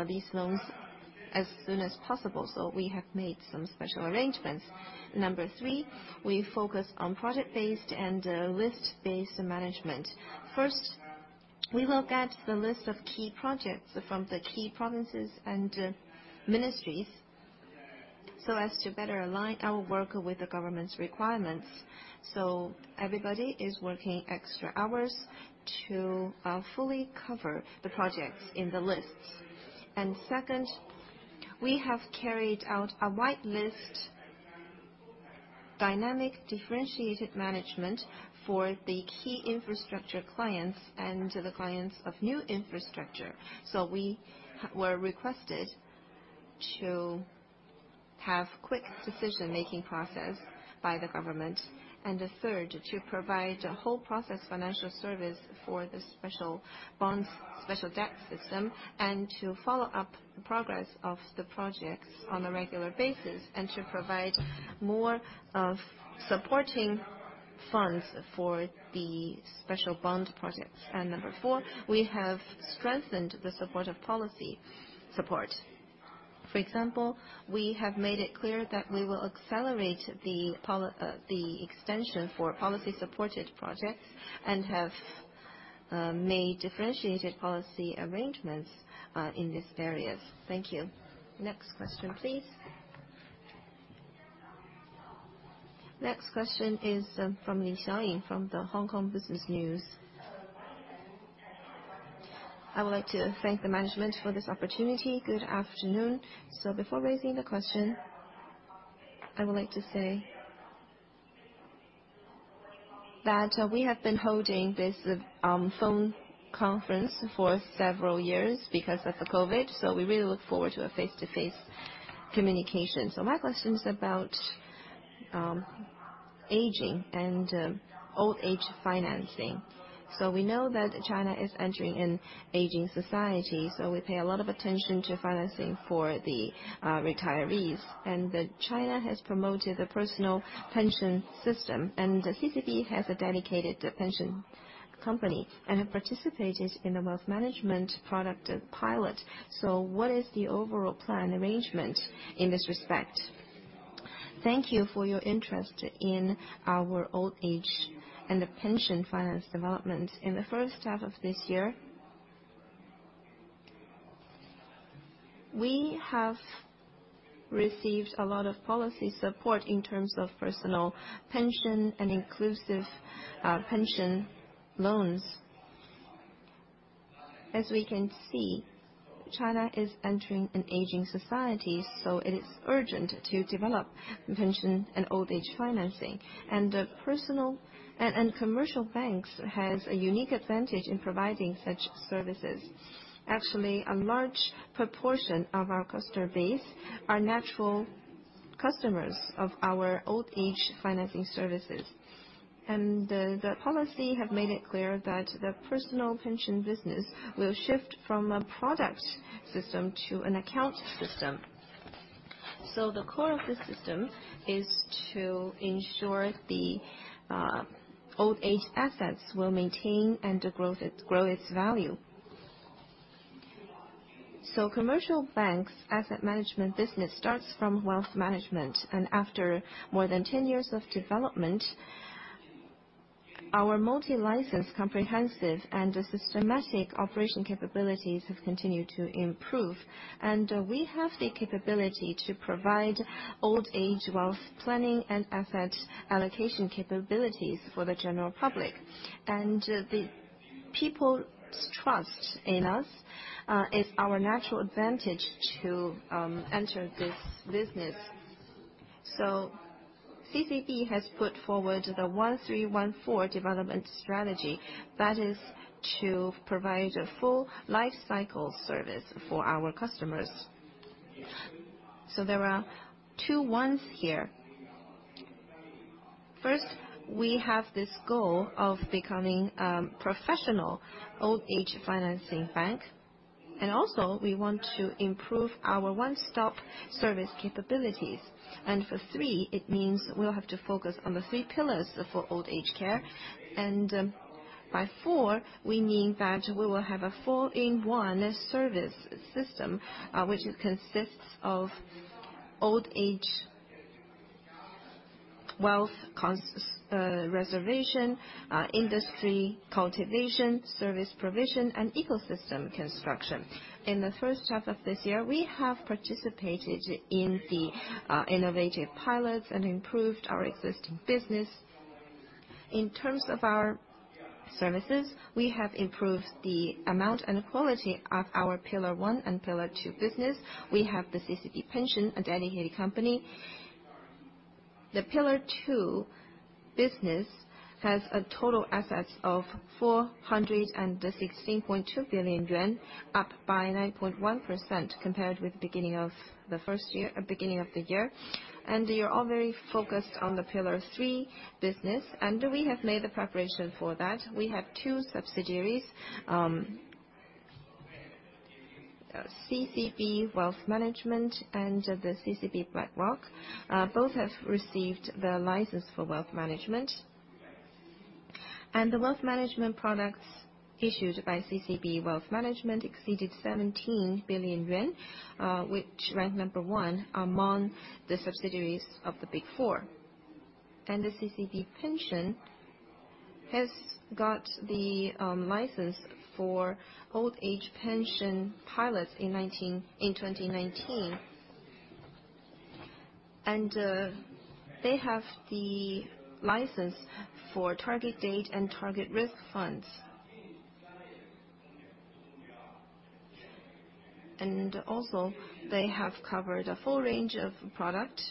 [SPEAKER 11] these loans as soon as possible. We have made some special arrangements. Number three, we focus on project-based and list-based management. First, we look at the list of key projects from the key provinces and ministries so as to better align our work with the government's requirements. Everybody is working extra hours to fully cover the projects in the lists. Second, we have carried out a whitelist, dynamic, differentiated management for the key infrastructure clients and the clients of new infrastructure. We were requested to have quick decision-making process by the government. The third, to provide a whole process financial service for the special bonds, special debt system, and to follow up the progress of the projects on a regular basis, and to provide more of supporting funds for the special bond projects. Number four, we have strengthened the supportive policy support. For example, we have made it clear that we will accelerate the extension for policy supported projects and have made differentiated policy arrangements in these areas. Thank you. Next question, please.
[SPEAKER 2] Next question is from Lisa Ying from the Hong Kong Business News.
[SPEAKER 12] I would like to thank the management for this opportunity. Good afternoon. Before raising the question, I would like to say that we have been holding this phone conference for several years because of the COVID. We really look forward to a face-to-face communication. My question is about aging and old age financing. We know that China is entering an aging society, so we pay a lot of attention to financing for the retirees. China has promoted the personal pension system, and the CCB has a dedicated pension company, and have participated in the wealth management product pilot. What is the overall plan arrangement in this respect? Thank you for your interest in our old age and the pension finance development.
[SPEAKER 3] In the H1 of this year, we have received a lot of policy support in terms of personal pension and inclusive pension loans. As we can see, China is entering an aging society, so it is urgent to develop pension and old age financing. Commercial banks has a unique advantage in providing such services. Actually, a large proportion of our customer base are natural customers of our old age financing services. The policy have made it clear that the personal pension business will shift from a product system to an account system. The core of this system is to ensure the old age assets will maintain and grow its value. Commercial banks' asset management business starts from wealth management, and after more than 10 years of development, our multi-license comprehensive and systematic operation capabilities have continued to improve. We have the capability to provide pension wealth planning and asset allocation capabilities for the general public. The people's trust in us is our natural advantage to enter this business. CCB has put forward the one-three-one-four development strategy that is to provide a full life cycle service for our customers. There are two ones here. First, we have this goal of becoming a professional pension finance bank. We also want to improve our one-stop service capabilities. For three, it means we'll have to focus on the three pillars for pension care. By four, we mean that we will have a four-in-one service system, which consists of old age wealth cons, reservation, industry cultivation, service provision, and ecosystem construction. In the H1 of this year, we have participated in the innovative pilots and improved our existing business. In terms of our services, we have improved the amount and quality of our pillar one and pillar two business. We have the CCB Pension, a dedicated company. The pillar two business has total assets of 416.2 billion yuan, up by 9.1% compared with beginning of the year. We are all very focused on the pillar three business, and we have made a preparation for that. We have two subsidiaries. CCB Wealth Management and the CCB BlackRock. Both have received the license for wealth management. The wealth management products issued by CCB Wealth Management exceeded 17 billion yuan, which ranked 1 among the subsidiaries of the Big Four. The CCB Pension has got the license for old-age pension pilots in 2019. They have the license for target date and target risk funds. Also, they have covered a full range of product.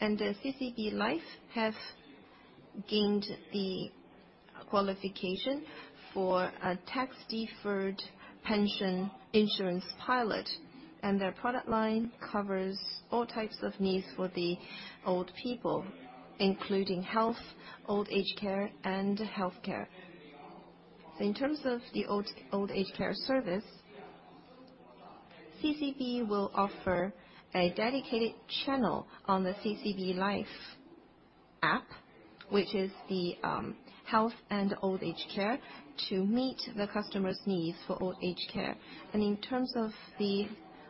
[SPEAKER 3] The CCB Life have gained the qualification for a tax-deferred pension insurance pilot, and their product line covers all types of needs for the old people, including health, old age care, and healthcare. In terms of old age care service, CCB will offer a dedicated channel on the CCB Life app, which is the health and old age care, to meet the customers' needs for old age care. In terms of the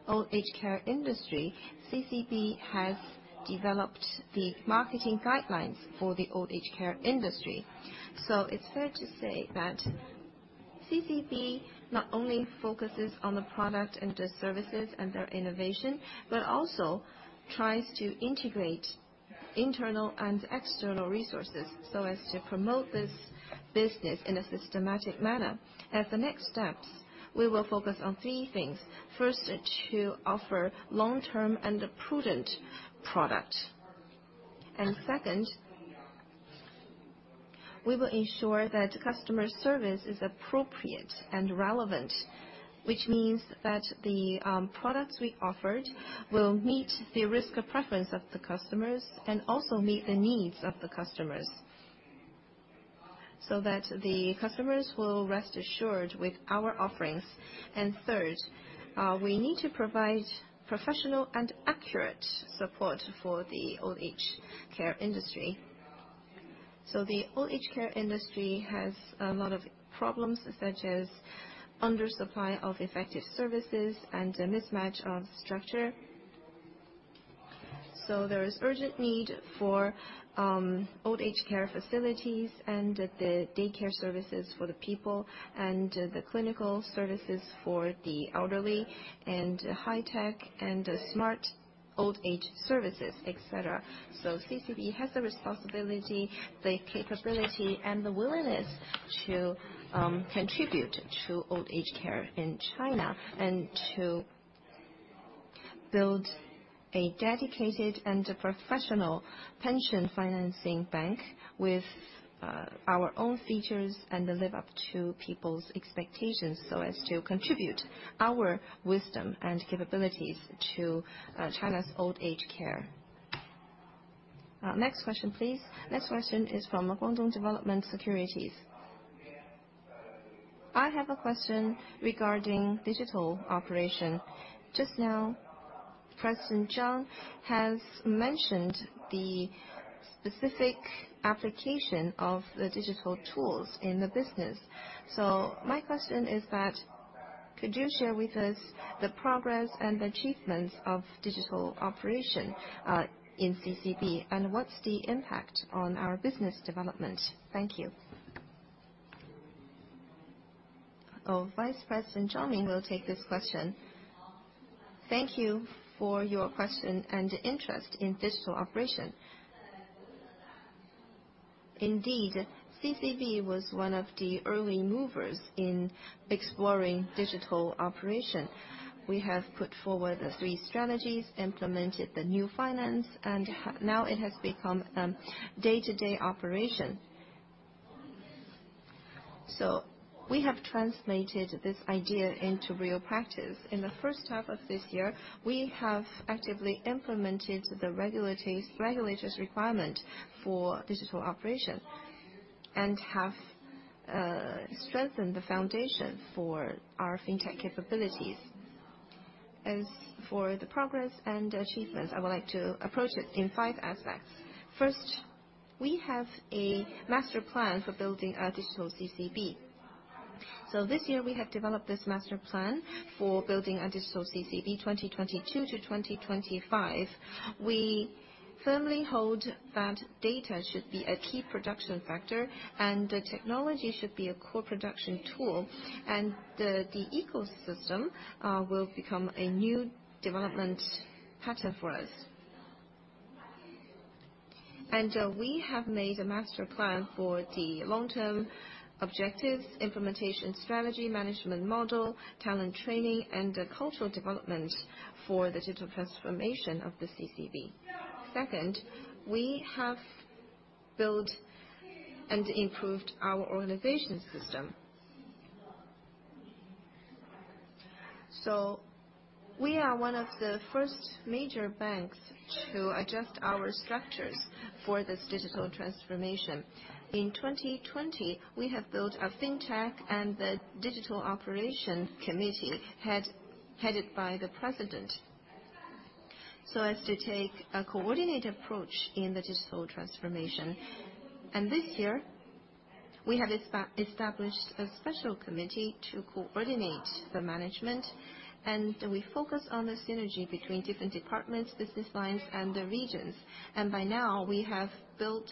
[SPEAKER 3] old age care industry, CCB has developed the marketing guidelines for the old age care industry. It's fair to say that CCB not only focuses on the product and the services and their innovation, but also tries to integrate internal and external resources so as to promote this business in a systematic manner. As the next steps, we will focus on three things. First, to offer long-term and a prudent product. Second, we will ensure that customer service is appropriate and relevant, which means that the products we offered will meet the risk preference of the customers and also meet the needs of the customers, so that the customers will rest assured with our offerings. Third, we need to provide professional and accurate support for the old age care industry. The old age care industry has a lot of problems such as under supply of effective services and a mismatch of structure. There is urgent need for old age care facilities and the day-care services for the people, and the clinical services for the elderly, and high tech and smart old age services, et cetera. CCB has the responsibility, the capability and the willingness to contribute to old age care in China, and to build a dedicated and a professional pension financing bank with our own features and live up to people's expectations so as to contribute our wisdom and capabilities to China's old age care. Next question, please.
[SPEAKER 2] Next question is from GF Securities.
[SPEAKER 13] I have a question regarding digital operation. Just now, President Jiang has mentioned the specific application of the digital tools in the business. My question is that could you share with us the progress and achievements of digital operation in CCB, and what's the impact on our business development? Thank you.
[SPEAKER 2] Vice President Zhang Min will take this question.
[SPEAKER 14] Thank you for your question and interest in digital operation. Indeed, CCB was one of the early movers in exploring digital operation. We have put forward three strategies, implemented the new finance, and now it has become day-to-day operation. We have translated this idea into real practice. In the H1 of this year, we have actively implemented the regulators' requirement for digital operation and have strengthened the foundation for our fintech capabilities. As for the progress and achievements, I would like to approach it in five aspects. First, we have a master plan for building a digital CCB. This year, we have developed this master plan for building a digital CCB 2022 to 2025. We firmly hold that data should be a key production factor, and the technology should be a core production tool, and the ecosystem will become a new development pattern for us. We have made a master plan for the long-term objectives, implementation strategy, management model, talent training, and the cultural development for the digital transformation of the CCB. Second, we have built and improved our organization system. We are one of the first major banks to adjust our structures for this digital transformation. In 2020, we have built a fintech and the digital operation committee headed by the president, so as to take a coordinated approach in the digital transformation. This year, we have established a special committee to coordinate the management, and we focus on the synergy between different departments, business lines, and the regions. By now, we have built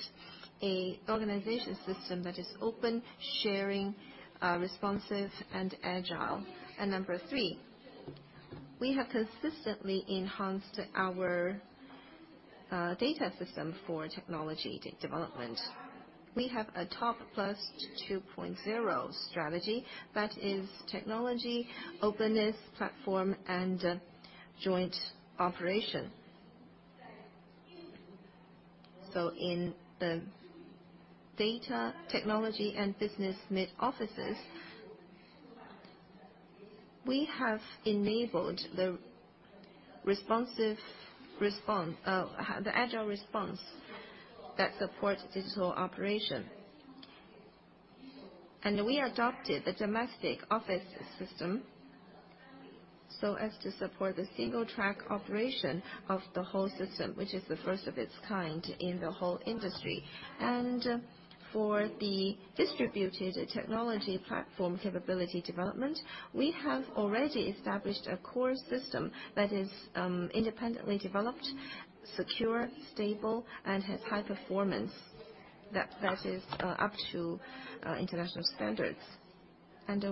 [SPEAKER 14] an organization system that is open, sharing, responsive, and agile. Number three, we have consistently enhanced our data system for technology development. We have a TOP+ 2.0 strategy that is technology, openness, platform, and joint operation. In the data technology and business mid offices, we have enabled the agile response that supports digital operation. We adopted the domestic office system so as to support the single track operation of the whole system, which is the first of its kind in the whole industry. For the distributed technology platform capability development, we have already established a core system that is independently developed, secure, stable, and has high performance that is up to international standards.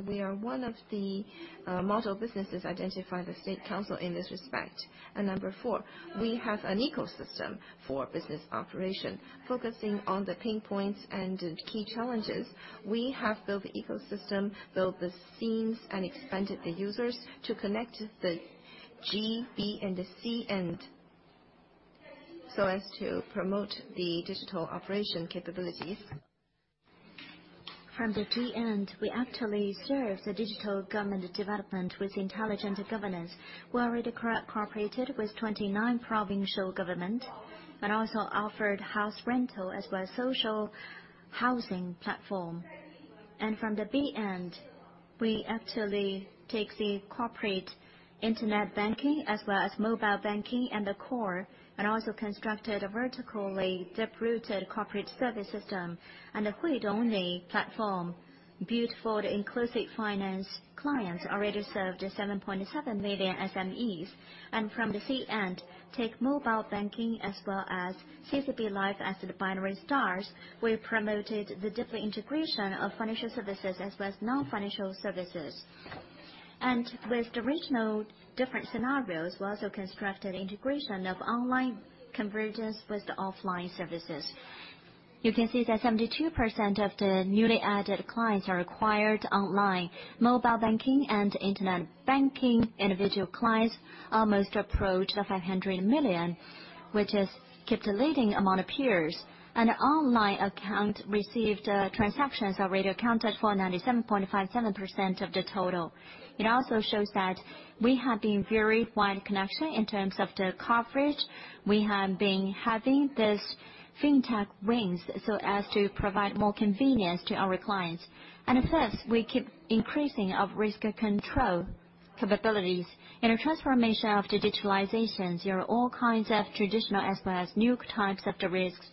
[SPEAKER 14] We are one of the model businesses identified the State Council in this respect. Number four, we have an ecosystem for business operation. Focusing on the pain points and the key challenges, we have built the ecosystem, built the scenes, and expanded the users to connect the G, B, and the C end. As to promote the digital operation capabilities. From the G end, we actually serve the digital government development with Smart Governance. We already cooperated with 29 provincial governments, but also offered house rental as well as social housing platform. From the B end, we actually take the corporate internet banking as well as mobile banking as the core, and also constructed a vertically deep-rooted corporate service system and a platform built for the inclusive finance clients, already served 7.7 million SMEs. From the C end, take mobile banking as well as CCB Life as the Twin Star, we promoted the deeper integration of financial services as well as non-financial services. With the regional different scenarios, we also constructed integration of online convergence with the offline services. You can see that 72% of the newly added clients are acquired online. Mobile banking and internet banking individual clients almost approach 500 million, which has kept a leading amount of peers. Online account received transactions already accounted for 97.57% of the total. It also shows that we have been very wide connection in terms of the coverage. We have been having this Fintech wings so as to provide more convenience to our clients. At first, we keep increasing of risk control capabilities. In a transformation of digitalization, there are all kinds of traditional as well as new types of the risks.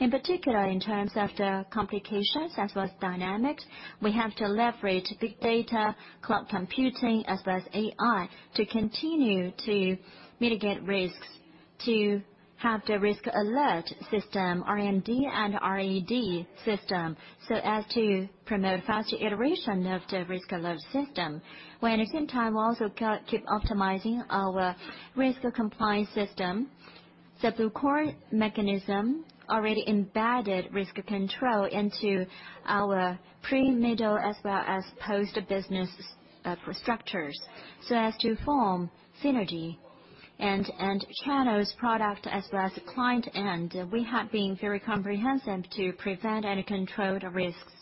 [SPEAKER 14] In particular, in terms of the complications as well as dynamics, we have to leverage big data, cloud computing, as well as AI to continue to mitigate risks, to have the risk alert system, RMD and RED system, so as to promote faster iteration of the risk alert system. While at the same time, we also keep optimizing our risk compliance system. The core mechanism already embedded risk control into our pre, middle, as well as post-business structures so as to form synergy. In channels, products as well as the client end, we have been very comprehensive to prevent and control the risks.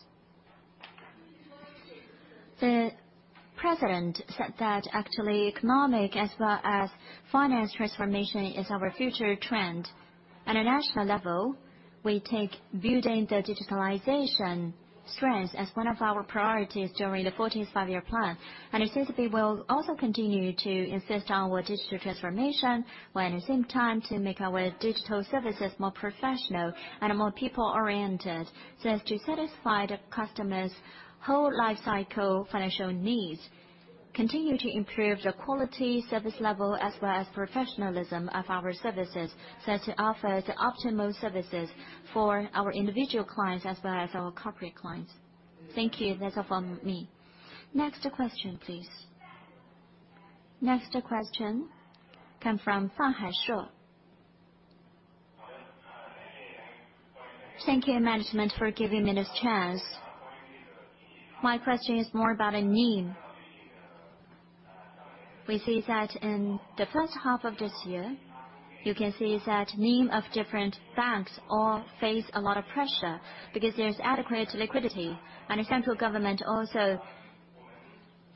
[SPEAKER 14] The president said that actually economic as well as financial transformation is our future trend. At a national level, we take building the digitalization strength as one of our priorities during the 14th Five-Year Plan. CCB will also continue to insist on our digital transformation, while at the same time to make our digital services more professional and more people-oriented, so as to satisfy the customers' whole life cycle financial needs. Continue to improve the quality, service level, as well as professionalism of our services, so as to offer the optimal services for our individual clients as well as our corporate clients. Thank you. That's all from me. Next question, please.
[SPEAKER 2] Next question come from Fang Haishu.
[SPEAKER 15] Thank you, management, for giving me this chance. My question is more about NIM. We see that in the H1 of this year, you can see that NIM of different banks all face a lot of pressure because there's adequate liquidity. The central government also,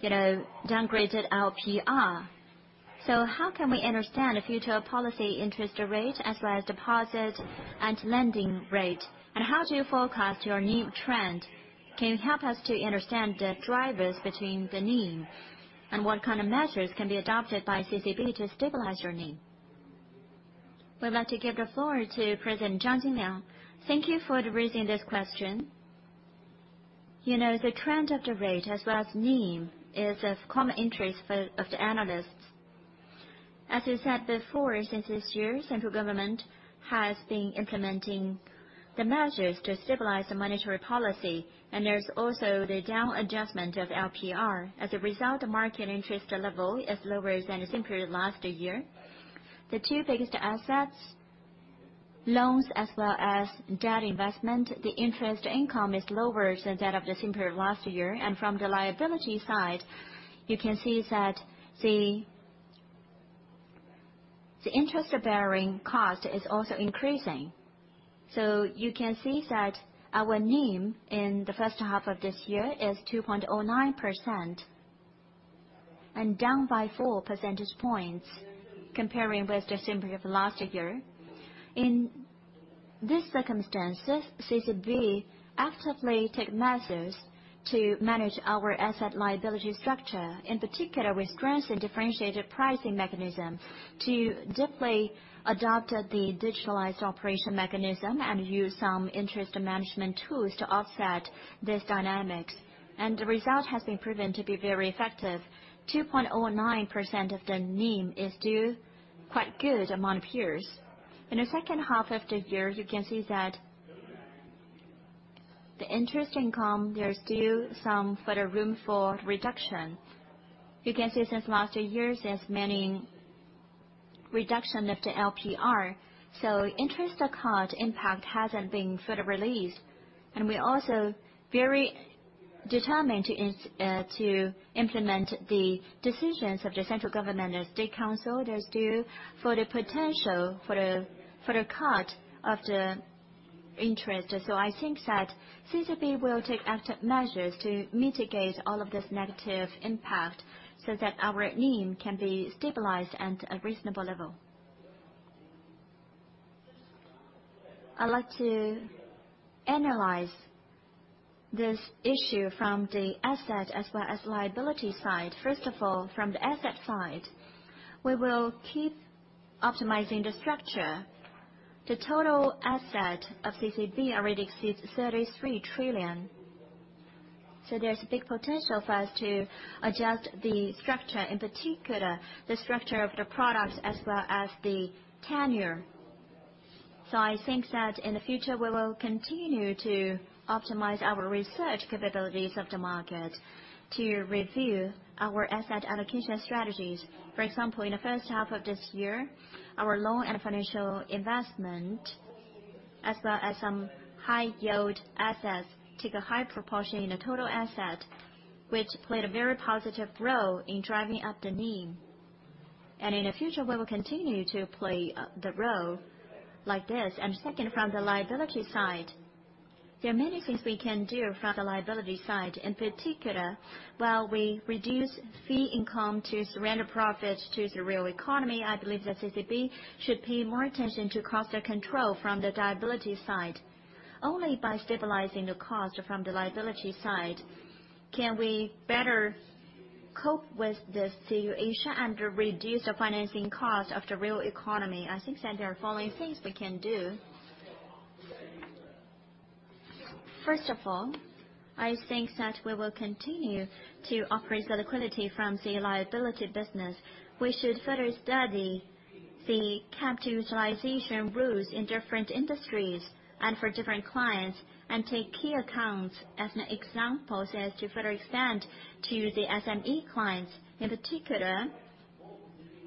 [SPEAKER 15] you know, downgraded LPR. How can we understand the future policy interest rate as well as deposit and lending rate? And how do you forecast your NIM trend? Can you help us to understand the drivers between the NIM and what kind of measures can be adopted by CCB to stabilize your NIM?
[SPEAKER 2] We'd like to give the floor to President Zhang Jinliang.
[SPEAKER 3] Thank you for raising this question. You know, the trend of the rate as well as NIM is of common interest to the analysts. As you said before, since this year, central government has been implementing the measures to stabilize the monetary policy, and there's also the down adjustment of LPR. As a result, the market interest level is lower than the same period last year. The two biggest assets, loans as well as debt investment, the interest income is lower than that of the same period last year. From the liability side, you can see that the interest bearing cost is also increasing. You can see that our NIM in the H1 of this year is 2.09% and down by 4 percentage points comparing with the same period of last year. In this circumstances, CCB actively take measures to manage our asset liability structure. In particular, we strengthen differentiated pricing mechanism to deeply adopt the digitalized operation mechanism and use some interest management tools to offset this dynamics. The result has been proven to be very effective. 2.09% of the NIM is still quite good among peers. In the H2 of the year, you can see that the interest income, there's still some further room for reduction. You can see since last years, there's many reduction of the LPR. Interest account impact hasn't been further released. We're also very determined to implement the decisions of the central government and State Council that's due to the potential for the cut in the interest. I think that CCB will take active measures to mitigate all of this negative impact so that our NIM can be stabilized at a reasonable level. I'd like to analyse this issue from the asset as well as liability side. First of all, from the asset side, we will keep optimizing the structure. The total asset of CCB already exceeds 33 trillion. There's a big potential for us to adjust the structure, in particular, the structure of the products as well as the tenure. I think that in the future, we will continue to optimize our research capabilities of the market to review our asset allocation strategies. For example, in the H1 of this year, our loan and financial investment, as well as some high yield assets, took a high proportion in the total asset, which played a very positive role in driving up the NIM. In the future, we will continue to play the role like this. Second, from the liability side, there are many things we can do from the liability side. In particular, while we reduce fee income to surrender profits to the real economy, I believe that CCB should pay more attention to cost control from the liability side. Only by stabilizing the cost from the liability side can we better cope with the situation and reduce the financing cost of the real economy. I think that there are following things we can do. First of all, I think that we will continue to operate the liquidity from the liability business. We should further study the capital utilization rules in different industries and for different clients, and take key accounts as an example so as to further expand to the SME clients. In particular,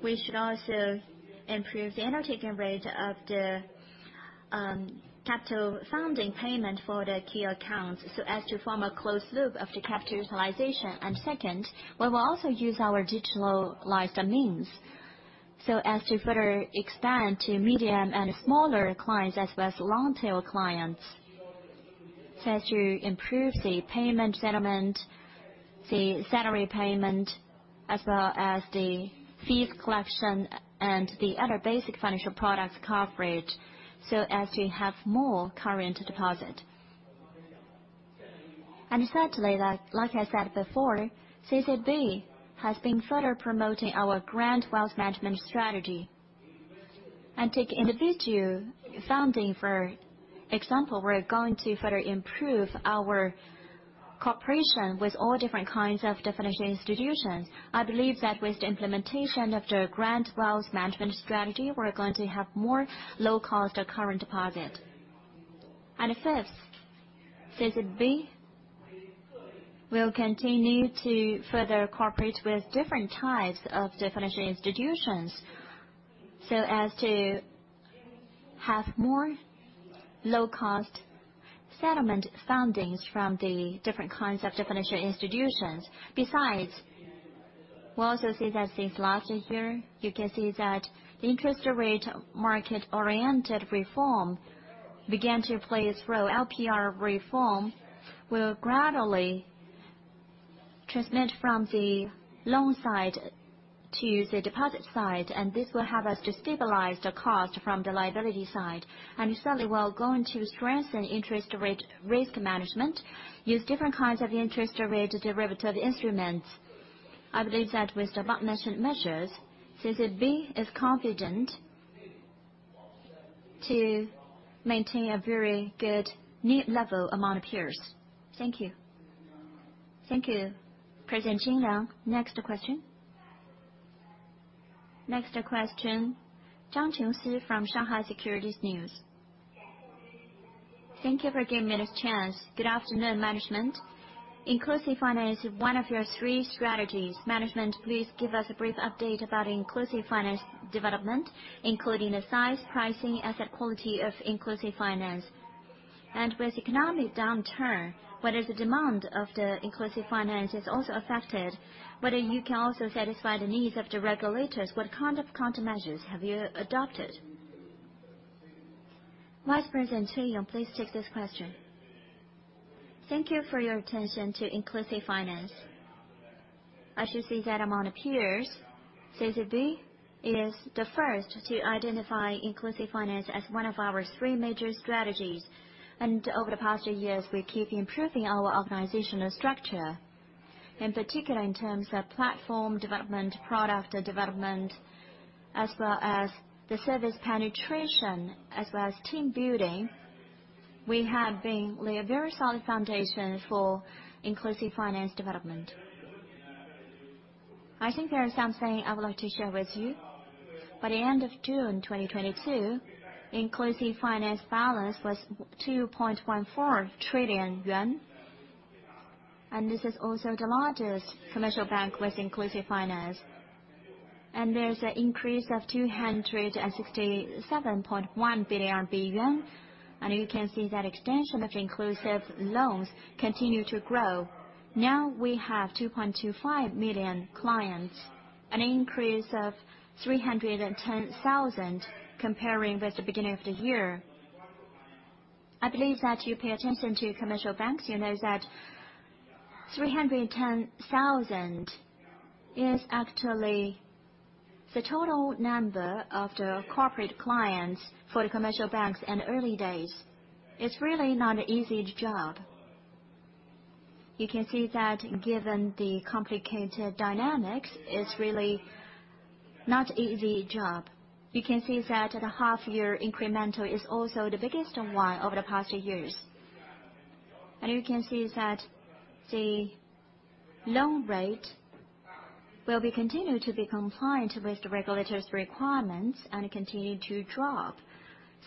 [SPEAKER 3] we should also improve the undertaking rate of the capital funding payment for the key accounts so as to form a closed loop of the capital utilization. Second, we will also use our digitalized means so as to further expand to medium and smaller clients as well as long-tail clients. As to improve the payment settlement, the salary payment, as well as the fees collection and the other basic financial products coverage, so as to have more current deposit. Thirdly, like I said before, CCB has been further promoting our grand wealth management strategy. Take individual funding, for example. We're going to further improve our cooperation with all different kinds of financial institutions. I believe that with the implementation of the grand wealth management strategy, we're going to have more low-cost current deposit. Fifth, CCB will continue to further cooperate with different types of financial institutions so as to have more low-cost settlement fundings from the different kinds of financial institutions. Besides, we also see that since last year, you can see that the interest rate market-oriented reform began to play its role. LPR reform will gradually transmit from the loan side to the deposit side, and this will help us to stabilize the cost from the liability side. Certainly, we're going to strengthen interest rate risk management, use different kinds of interest rate derivative instruments. I believe that with the above mentioned measures, CCB is confident to maintain a very good NIM level among our peers. Thank you.
[SPEAKER 2] Thank you, President Jing Liang. Next question? Next question, Zhang Chenxi from Shanghai Securities News.
[SPEAKER 16] Thank you for giving me this chance. Good afternoon, management. Inclusive finance is one of your three strategies. Management, please give us a brief update about inclusive finance development, including the size, pricing, asset quality of inclusive finance. With economic downturn, whether the demand of the inclusive finance is also affected, whether you can also satisfy the needs of the regulators? What kind of countermeasures have you adopted?
[SPEAKER 2] Vice President Xu Ying, please take this question.
[SPEAKER 17] Thank you for your attention to inclusive finance. As you see that among the peers, CCB is the first to identify inclusive finance as one of our three major strategies. Over the past few years, we keep improving our organizational structure. In particular, in terms of platform development, product development, as well as the service penetration, as well as team building. We have been laid a very solid foundation for inclusive finance development. I think there is something I would like to share with you. By the end of June 2022, inclusive finance balance was 2.14 trillion yuan. This is also the largest commercial bank with inclusive finance. There's an increase of 267.1 billion yuan. You can see that extension of inclusive loans continue to grow. Now we have 2.25 million clients, an increase of 310,000 comparing with the beginning of the year. I believe that you pay attention to commercial banks. You know that 310,000 is actually the total number of the corporate clients for the commercial banks in early days. It's really not an easy job. You can see that given the complicated dynamics, it's really not easy job. You can see that the half year incremental is also the biggest one over the past years. You can see that the loan rate will be continued to be compliant with the regulators' requirements and continue to drop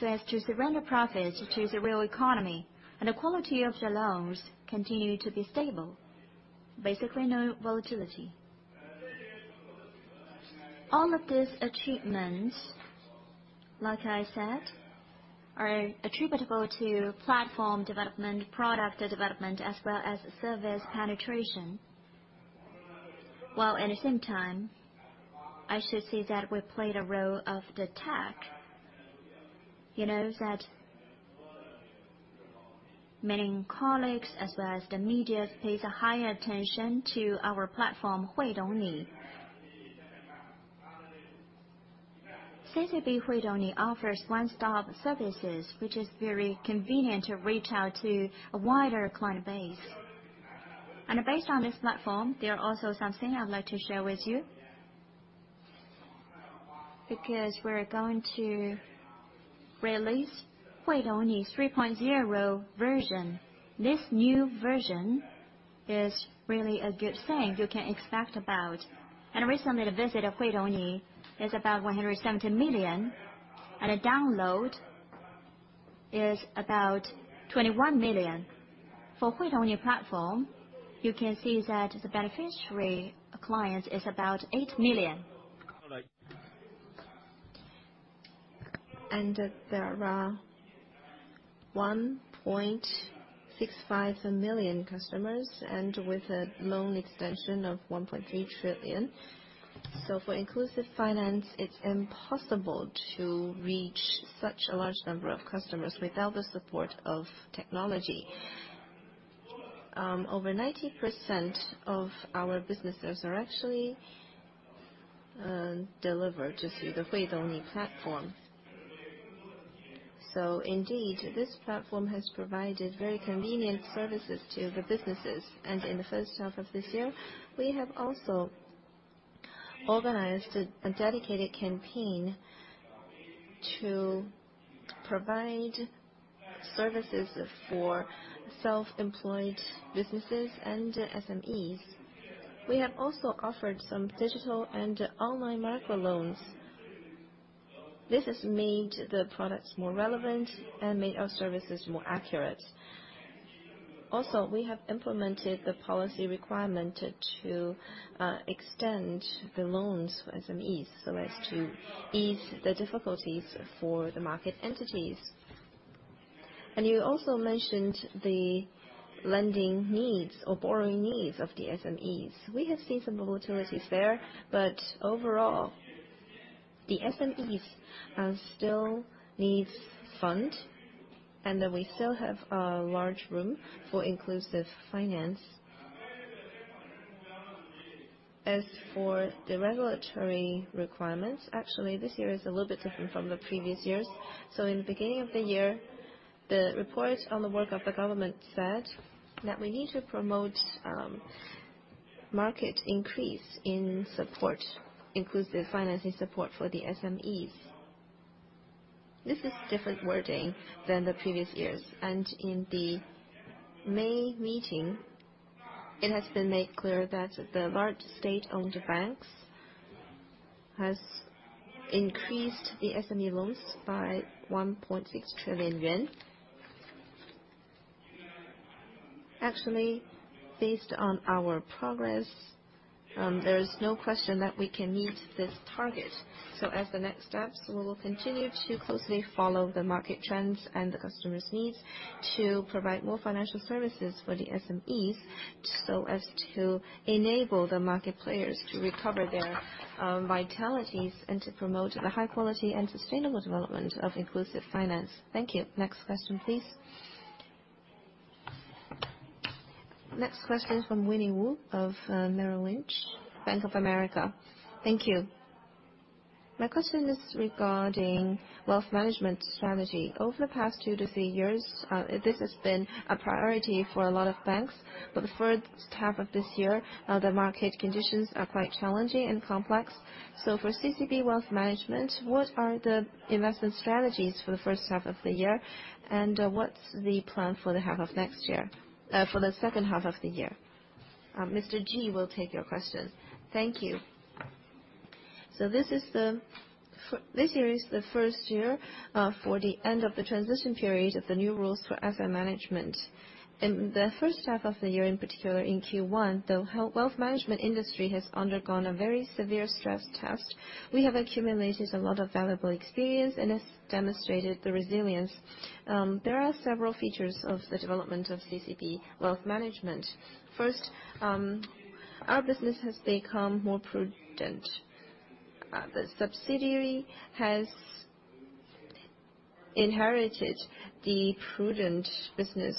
[SPEAKER 17] so as to surrender profits to the real economy. The quality of the loans continue to be stable. Basically, no volatility. All of these achievements, like I said, are attributable to platform development, product development, as well as service penetration. While at the same time, I should say that we played a role of the tech. You know that many colleagues as well as the media pays a high attention to our platform, Huidongni. CCB Huidongni offers one-stop services, which is very convenient to reach out to a wider client base. Based on this platform, there are also something I'd like to share with you. Because we're going to release Huidongni's 3.0 version. This new version is really a good thing you can expect about. Recently, the visit of Huidongni is about 170 million, and the download is about 21 million. For Huidongni platform, you can see that the beneficiary clients is about 8 million. There are 1.65 million customers, and with a loan extension of 1.8 trillion. For inclusive finance, it's impossible to reach such a large number of customers without the support of technology. Over 90% of our businesses are actually delivered through the Huidongni platform. Indeed, this platform has provided very convenient services to the businesses. In the H1 of this year, we have also organized a dedicated campaign to provide services for self-employed businesses and SMEs. We have also offered some digital and online microloans. This has made the products more relevant and made our services more accurate. Also, we have implemented the policy requirement to extend the loans for SMEs so as to ease the difficulties for the market entities. You also mentioned the lending needs or borrowing needs of the SMEs. We have seen some volatilities there, but overall, the SMEs still needs fund, and we still have a large room for inclusive finance. As for the regulatory requirements, actually, this year is a little bit different from the previous years. In the beginning of the year, the report on the work of the government said that we need to promote marked increase in support, inclusive financing support for the SMEs. This is different wording than the previous years. In the May meeting, it has been made clear that the large state-owned banks has increased the SME loans by 1.6 trillion yuan. Actually, based on our progress, there is no question that we can meet this target. As the next steps, we will continue to closely follow the market trends and the customers' needs to provide more financial services for the SMEs so as to enable the market players to recover their vitalities and to promote the high quality and sustainable development of inclusive finance. Thank you. Next question, please.
[SPEAKER 2] Next question from Winnie Wu of Merrill Lynch, Bank of America.
[SPEAKER 18] Thank you. My question is regarding wealth management strategy. Over the past two to three years, this has been a priority for a lot of banks. The H1 of this year, the market conditions are quite challenging and complex. For CCB Wealth Management, what are the investment strategies for the H1 of the year? What's the plan for the H2 of the year?
[SPEAKER 2] Mr. Ji will take your question.
[SPEAKER 19] Thank you. This year is the first year for the end of the transition period of the new rules for asset management. In the H1 of the year, in particular in Q1, the wealth management industry has undergone a very severe stress test. We have accumulated a lot of valuable experience, and it's demonstrated the resilience. There are several features of the development of CCB Wealth Management. First, our business has become more prudent. The subsidiary has inherited the prudent business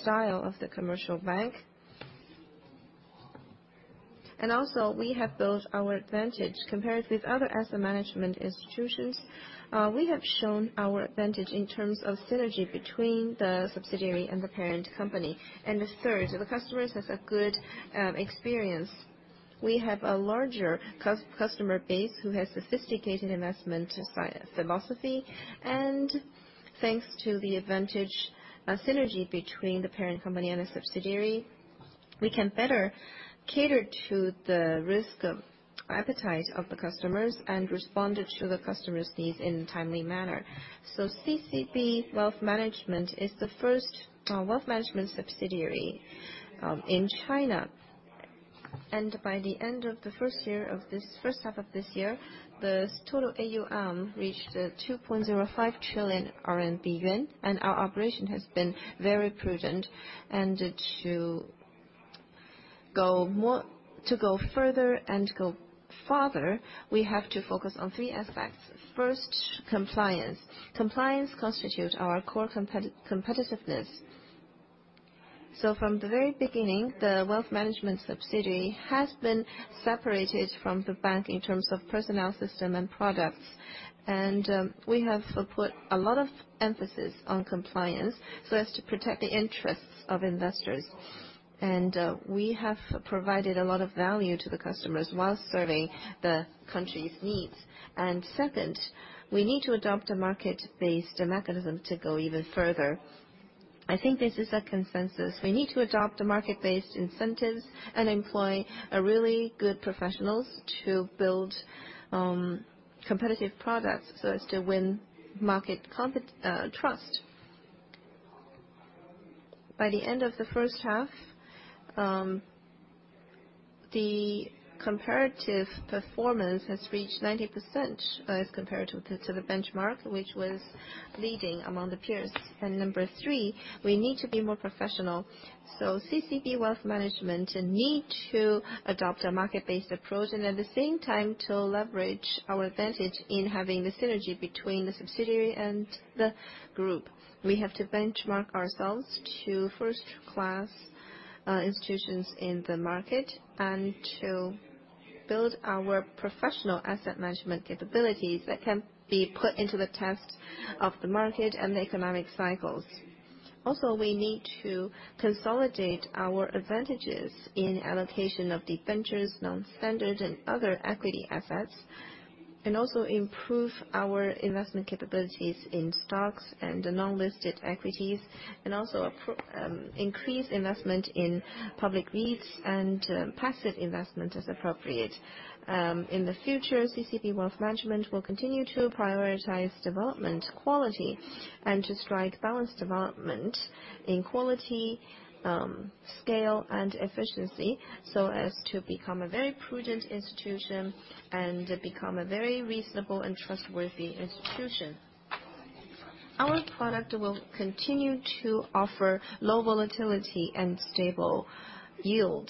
[SPEAKER 19] style of the commercial bank. We have built our advantage. Compared with other asset management institutions, we have shown our advantage in terms of synergy between the subsidiary and the parent company. The third, the customers has a good experience. We have a larger customer base who has sophisticated investment philosophy. Thanks to the advantage, synergy between the parent company and the subsidiary, we can better cater to the risk appetite of the customers and respond to the customers' needs in a timely manner. CCB Wealth Management is the first wealth management subsidiary in China. By the end of the H1 of this year, the total AUM reached 2.05 trillion yuan, and our operation has been very prudent. To go further and to go farther, we have to focus on three aspects. First, compliance. Compliance constitute our core competitiveness. From the very beginning, the wealth management subsidiary has been separated from the bank in terms of personnel system and products. We have put a lot of emphasis on compliance so as to protect the interests of investors. We have provided a lot of value to the customers while serving the country's needs. Second, we need to adopt a market-based mechanism to go even further. I think this is a consensus. We need to adopt a market-based incentives and employ a really good professionals to build competitive products so as to win market trust. By the end of the H1, the comparative performance has reached 90%, as compared to the benchmark, which was leading among the peers. Number three, we need to be more professional. CCB Wealth Management need to adopt a market-based approach and at the same time to leverage our advantage in having the synergy between the subsidiary and the group. We have to benchmark ourselves to first-class institutions in the market and to build our professional asset management capabilities that can be put into the test of the market and the economic cycles. Also, we need to consolidate our advantages in allocation of ventures, non-standard and other equity assets, and also improve our investment capabilities in stocks and the non-listed equities, and also increase investment in public REITs and passive investment as appropriate. In the future, CCB Wealth Management will continue to prioritize development quality and to strike balanced development in quality, scale, and efficiency, so as to become a very prudent institution and become a very reasonable and trustworthy institution. Our product will continue to offer low volatility and stable yield.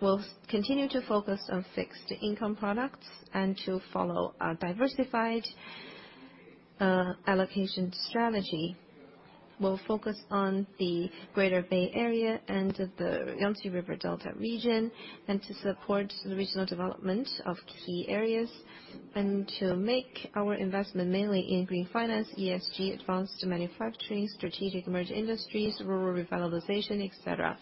[SPEAKER 19] We'll continue to focus on fixed income products and to follow a diversified allocation strategy. We'll focus on the Greater Bay Area and the Yangtze River Delta region, and to support the regional development of key areas, and to make our investment mainly in green finance, ESG, advanced manufacturing, strategic emerging industries, rural revitalization, et cetera.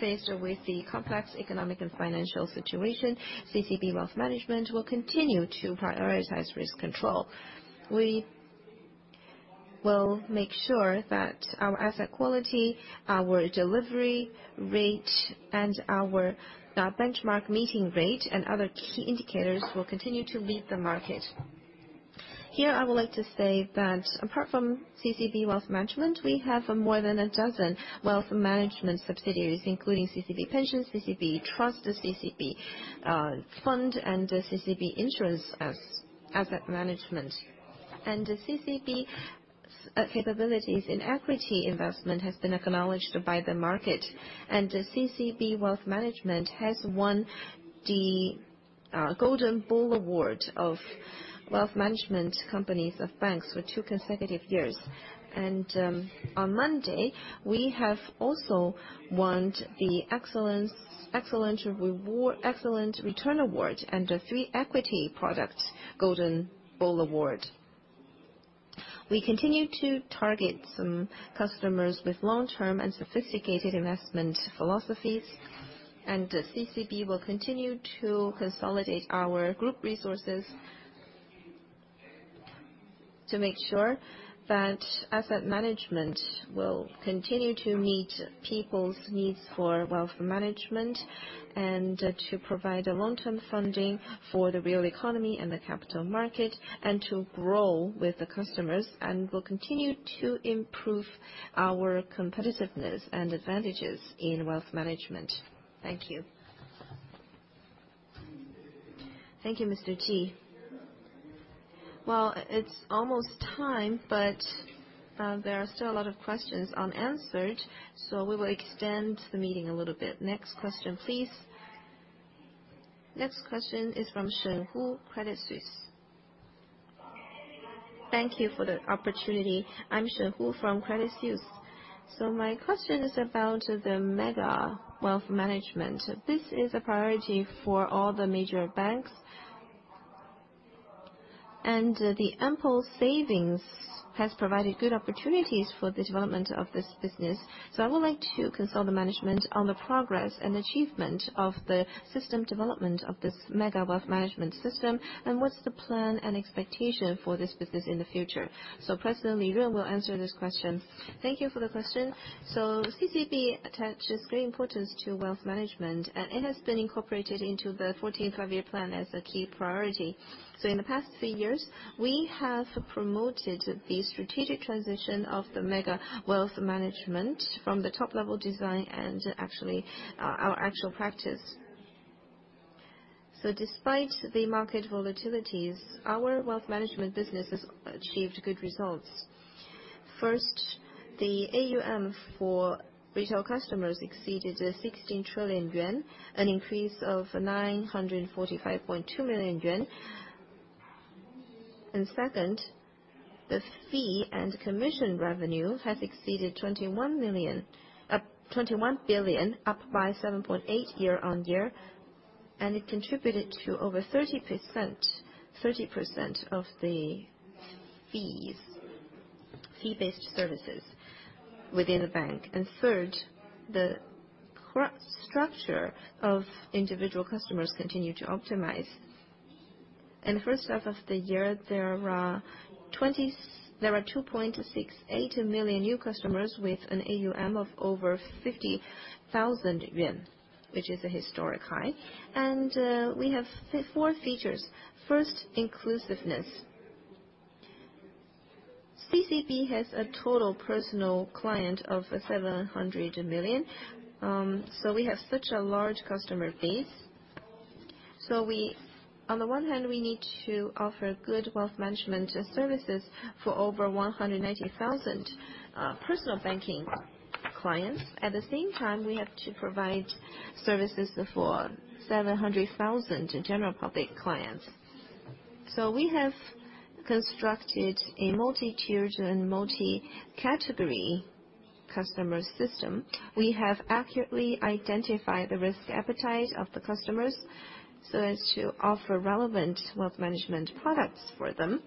[SPEAKER 19] Faced with the complex economic and financial situation, CCB Wealth Management will continue to prioritize risk control. We will make sure that our asset quality, our delivery rate, and our benchmark meeting rate, and other key indicators will continue to lead the market. Here, I would like to say that apart from CCB Wealth Management, we have more than a dozen wealth management subsidiaries, including CCB Pension, CCB Trust, CCB Fund, and CCB Insurance Asset Management. CCB capabilities in equity investment has been acknowledged by the market. CCB Wealth Management has won the Golden Bull Award of wealth management companies of banks for two consecutive years. On Monday, we have also won the Excellent Return Award and the Three Equity Products Golden Bull Award. We continue to target some customers with long-term and sophisticated investment philosophies. CCB will continue to consolidate our group resources to make sure that asset management will continue to meet people's needs for wealth management, and to provide a long-term funding for the real economy and the capital market, and to grow with the customers. We'll continue to improve our competitiveness and advantages in wealth management. Thank you.
[SPEAKER 2] Thank you, Mr. Ji. Well, it's almost time, but, there are still a lot of questions unanswered, so we will extend the meeting a little bit. Next question please. Next question is from Sheng Hu, Credit Suisse.
[SPEAKER 20] Thank you for the opportunity. I'm Sheng Hu from Credit Suisse. My question is about the mega wealth management. This is a priority for all the major banks, and the ample savings has provided good opportunities for the development of this business. I would like to consult the management on the progress and achievement of the system development of this mega wealth management system, and what's the plan and expectation for this business in the future?
[SPEAKER 2] President Li Yun will answer this question.
[SPEAKER 9] Thank you for the question. CCB attaches great importance to wealth management, and it has been incorporated into the 14th Five-Year Plan as a key priority. In the past three years, we have promoted the strategic transition of the mega wealth management from the top level design and actually our actual practice. Despite the market volatilities, our wealth management business has achieved good results. First, the AUM for retail customers exceeded 16 trillion yuan, an increase of 945.2 million yuan. Second, the fee and commission revenue has exceeded 21 billion, up by 7.8% year-on-year, and it contributed to over 30% of the fee-based services within the bank. Third, the structure of individual customers continued to optimize. In the H1 of the year, there were 2.68 million new customers with an AUM of over 50,000 yuan, which is a historic high. We have 4 features. First, inclusiveness. CCB has a total personal client of 700 million, so we have such a large customer base. We... On the one hand, we need to offer good wealth management services for over 180,000 personal banking clients. At the same time, we have to provide services for 700,000 general public clients. We have constructed a multi-tiered and multi-category customer system. We have accurately identified the risk appetite of the customers so as to offer relevant wealth management products for them,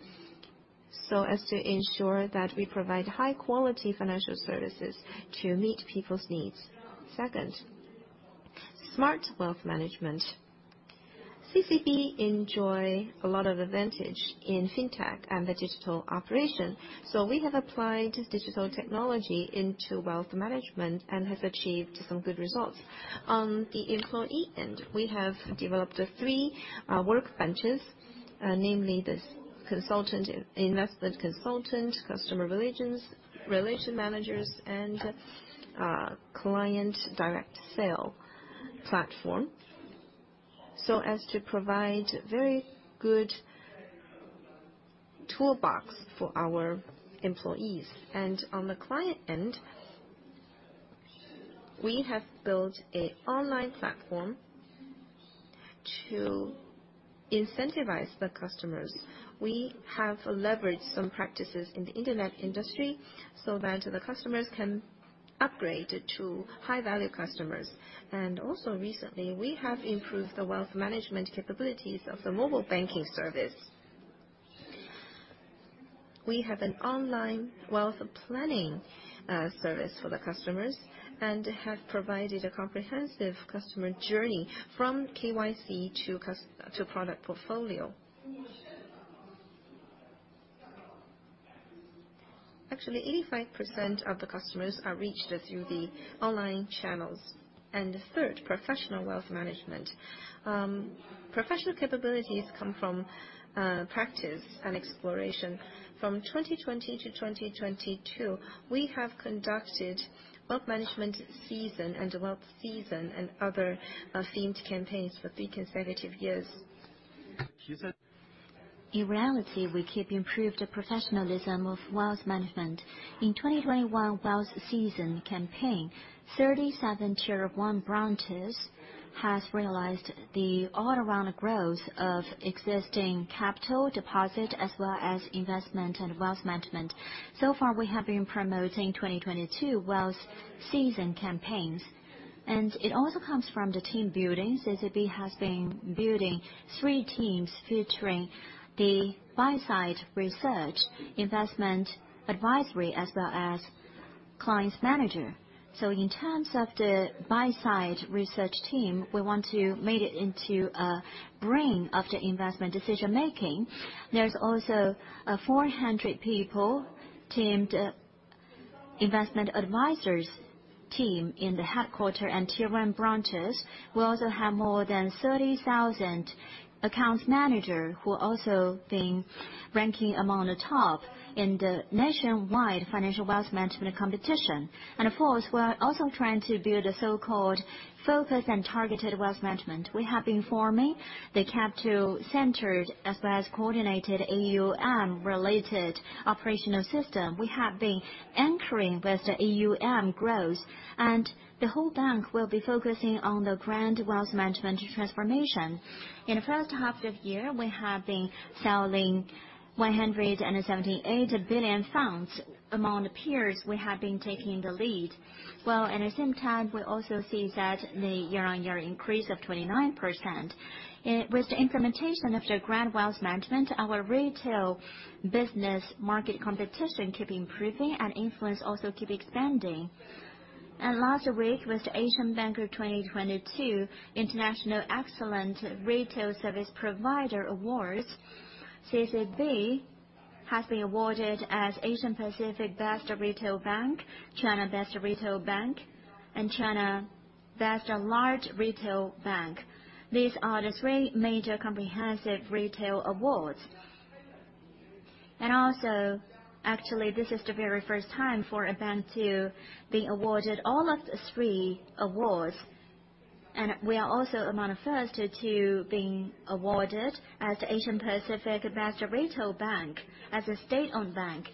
[SPEAKER 9] so as to ensure that we provide high quality financial services to meet people's needs. Second, smart wealth management. CCB enjoy a lot of advantage in Fintech and the digital operation. We have applied this digital technology into wealth management and has achieved some good results. On the employee end, we have developed three work benches. Namely the sales consultant, investment consultant, customer relationship managers, and client direct sales platform, so as to provide very good toolbox for our employees. On the client end, we have built an online platform to incentivize the customers. We have leveraged some practices in the internet industry so that the customers can upgrade to high-value customers. Recently, we have improved the wealth management capabilities of the mobile banking service. We have an online wealth planning service for the customers, and have provided a comprehensive customer journey from KYC to product portfolio. Actually, 85% of the customers are reached through the online channels. The third, professional wealth management. Professional capabilities come from practice and exploration. From 2020 to 2022, we have conducted wealth management season and other themed campaigns for three consecutive years. In reality, we keep improving professionalism of wealth management. In 2021 Wealth Season Campaign, 37 tier-one branches has realized the all-around growth of existing capital deposit as well as investment and wealth management. We have been promoting 2022 Wealth Season Campaigns. It also comes from the team building. CCB has been building three teams featuring the buy-side research, investment advisory, as well as client managers. In terms of the buy-side research team, we want to make it into a brain of the investment decision making. There's also 400-person investment advisors team in the headquarters and tier-one branches, who also have more than 30,000 account managers who also been ranking among the top in the nationwide financial wealth management competition. Of course, we are also trying to build a so-called focused and targeted wealth management. We have been forming the capital cantered as well as coordinated AUM related operational system. We have been anchoring with the AUM growth, and the whole bank will be focusing on the grand wealth management transformation. In the H1 of the year, we have been selling 178 billion funds. Among the peers, we have been taking the lead. While at the same time, we also see that the year-on-year increase of 29%. With the implementation of the Grand Wealth Management, our retail business market competition keep improving and influence also keep expanding. Last week with The Asian Banker 2022 International Excellent Retail Service Provider Awards, CCB has been awarded as Asian Pacific Best Retail Bank, China Best Retail Bank, and China Best Large Retail Bank. These are the three major comprehensive retail awards. Also, actually, this is the very first time for a bank to be awarded all of the three awards. We are also among the first to being awarded as Asian Pacific Best Retail Bank as a state-owned bank.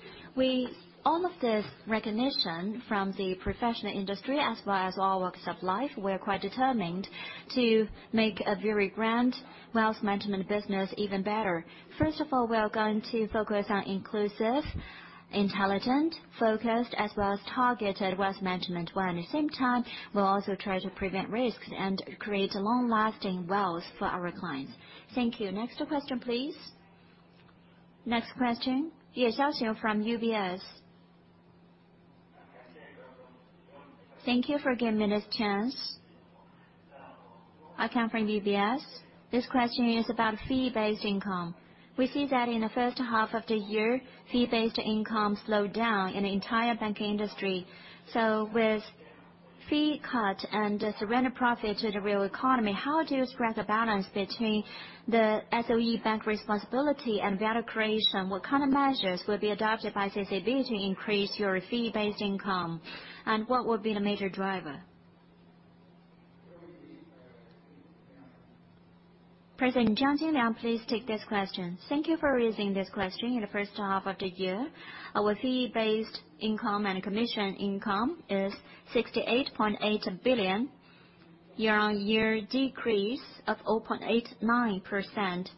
[SPEAKER 9] All of this recognition from the professional industry as well as all walks of life, we're quite determined to make a very grand wealth management business even better. First of all, we are going to focus on inclusive, intelligent, focused, as well as targeted wealth management, while at the same time, we'll also try to prevent risks and create long-lasting wealth for our clients. Thank you.
[SPEAKER 2] Next question, please. Next question, Ye Xiaoxiu from UBS.
[SPEAKER 21] Thank you for giving me this chance. I come from UBS. This question is about fee-based income. We see that in the H1 of the year, fee-based income slowed down in the entire banking industry. With fee cut and surrender profit to the real economy, how do you strike a balance between the SOE bank responsibility and value creation? What kind of measures will be adopted by CCB to increase your fee-based income? And what will be the major driver?
[SPEAKER 2] President Zhang Jinliang, please take this question.
[SPEAKER 3] Thank you for raising this question. In the H1 of the year, our fee-based income and commission income is 68.8 billion, year-on-year decrease of 0.89%.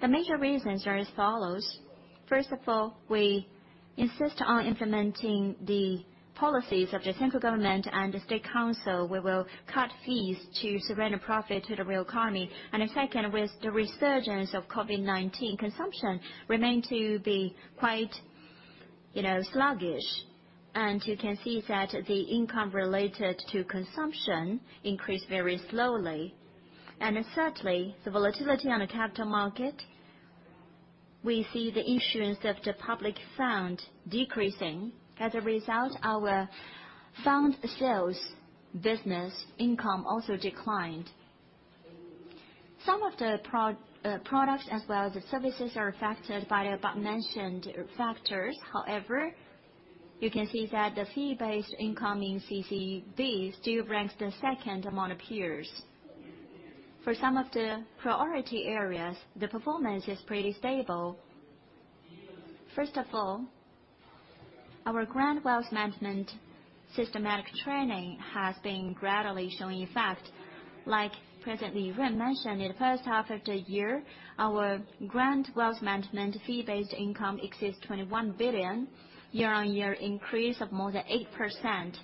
[SPEAKER 3] The major reasons are as follows. First of all, we insist on implementing the policies of the central government and the State Council. We will cut fees to surrender profit to the real economy. The second, with the resurgence of COVID-19, consumption remained to be quite, you know, sluggish. You can see that the income related to consumption increased very slowly. Certainly, the volatility on the capital market, we see the issuance of the public fund decreasing. As a result, our fund sales business income also declined. Some of the products as well as services are affected by the above mentioned factors. However, you can see that the fee-based income in CCB still ranks the second among peers. For some of the priority areas, the performance is pretty stable. First of all, our grand wealth management systematic training has been gradually showing effect. Like President Li Run mentioned, in the H1 of the year, our grand wealth management fee-based income exceeds 21 billion, year-on-year increase of more than 8%,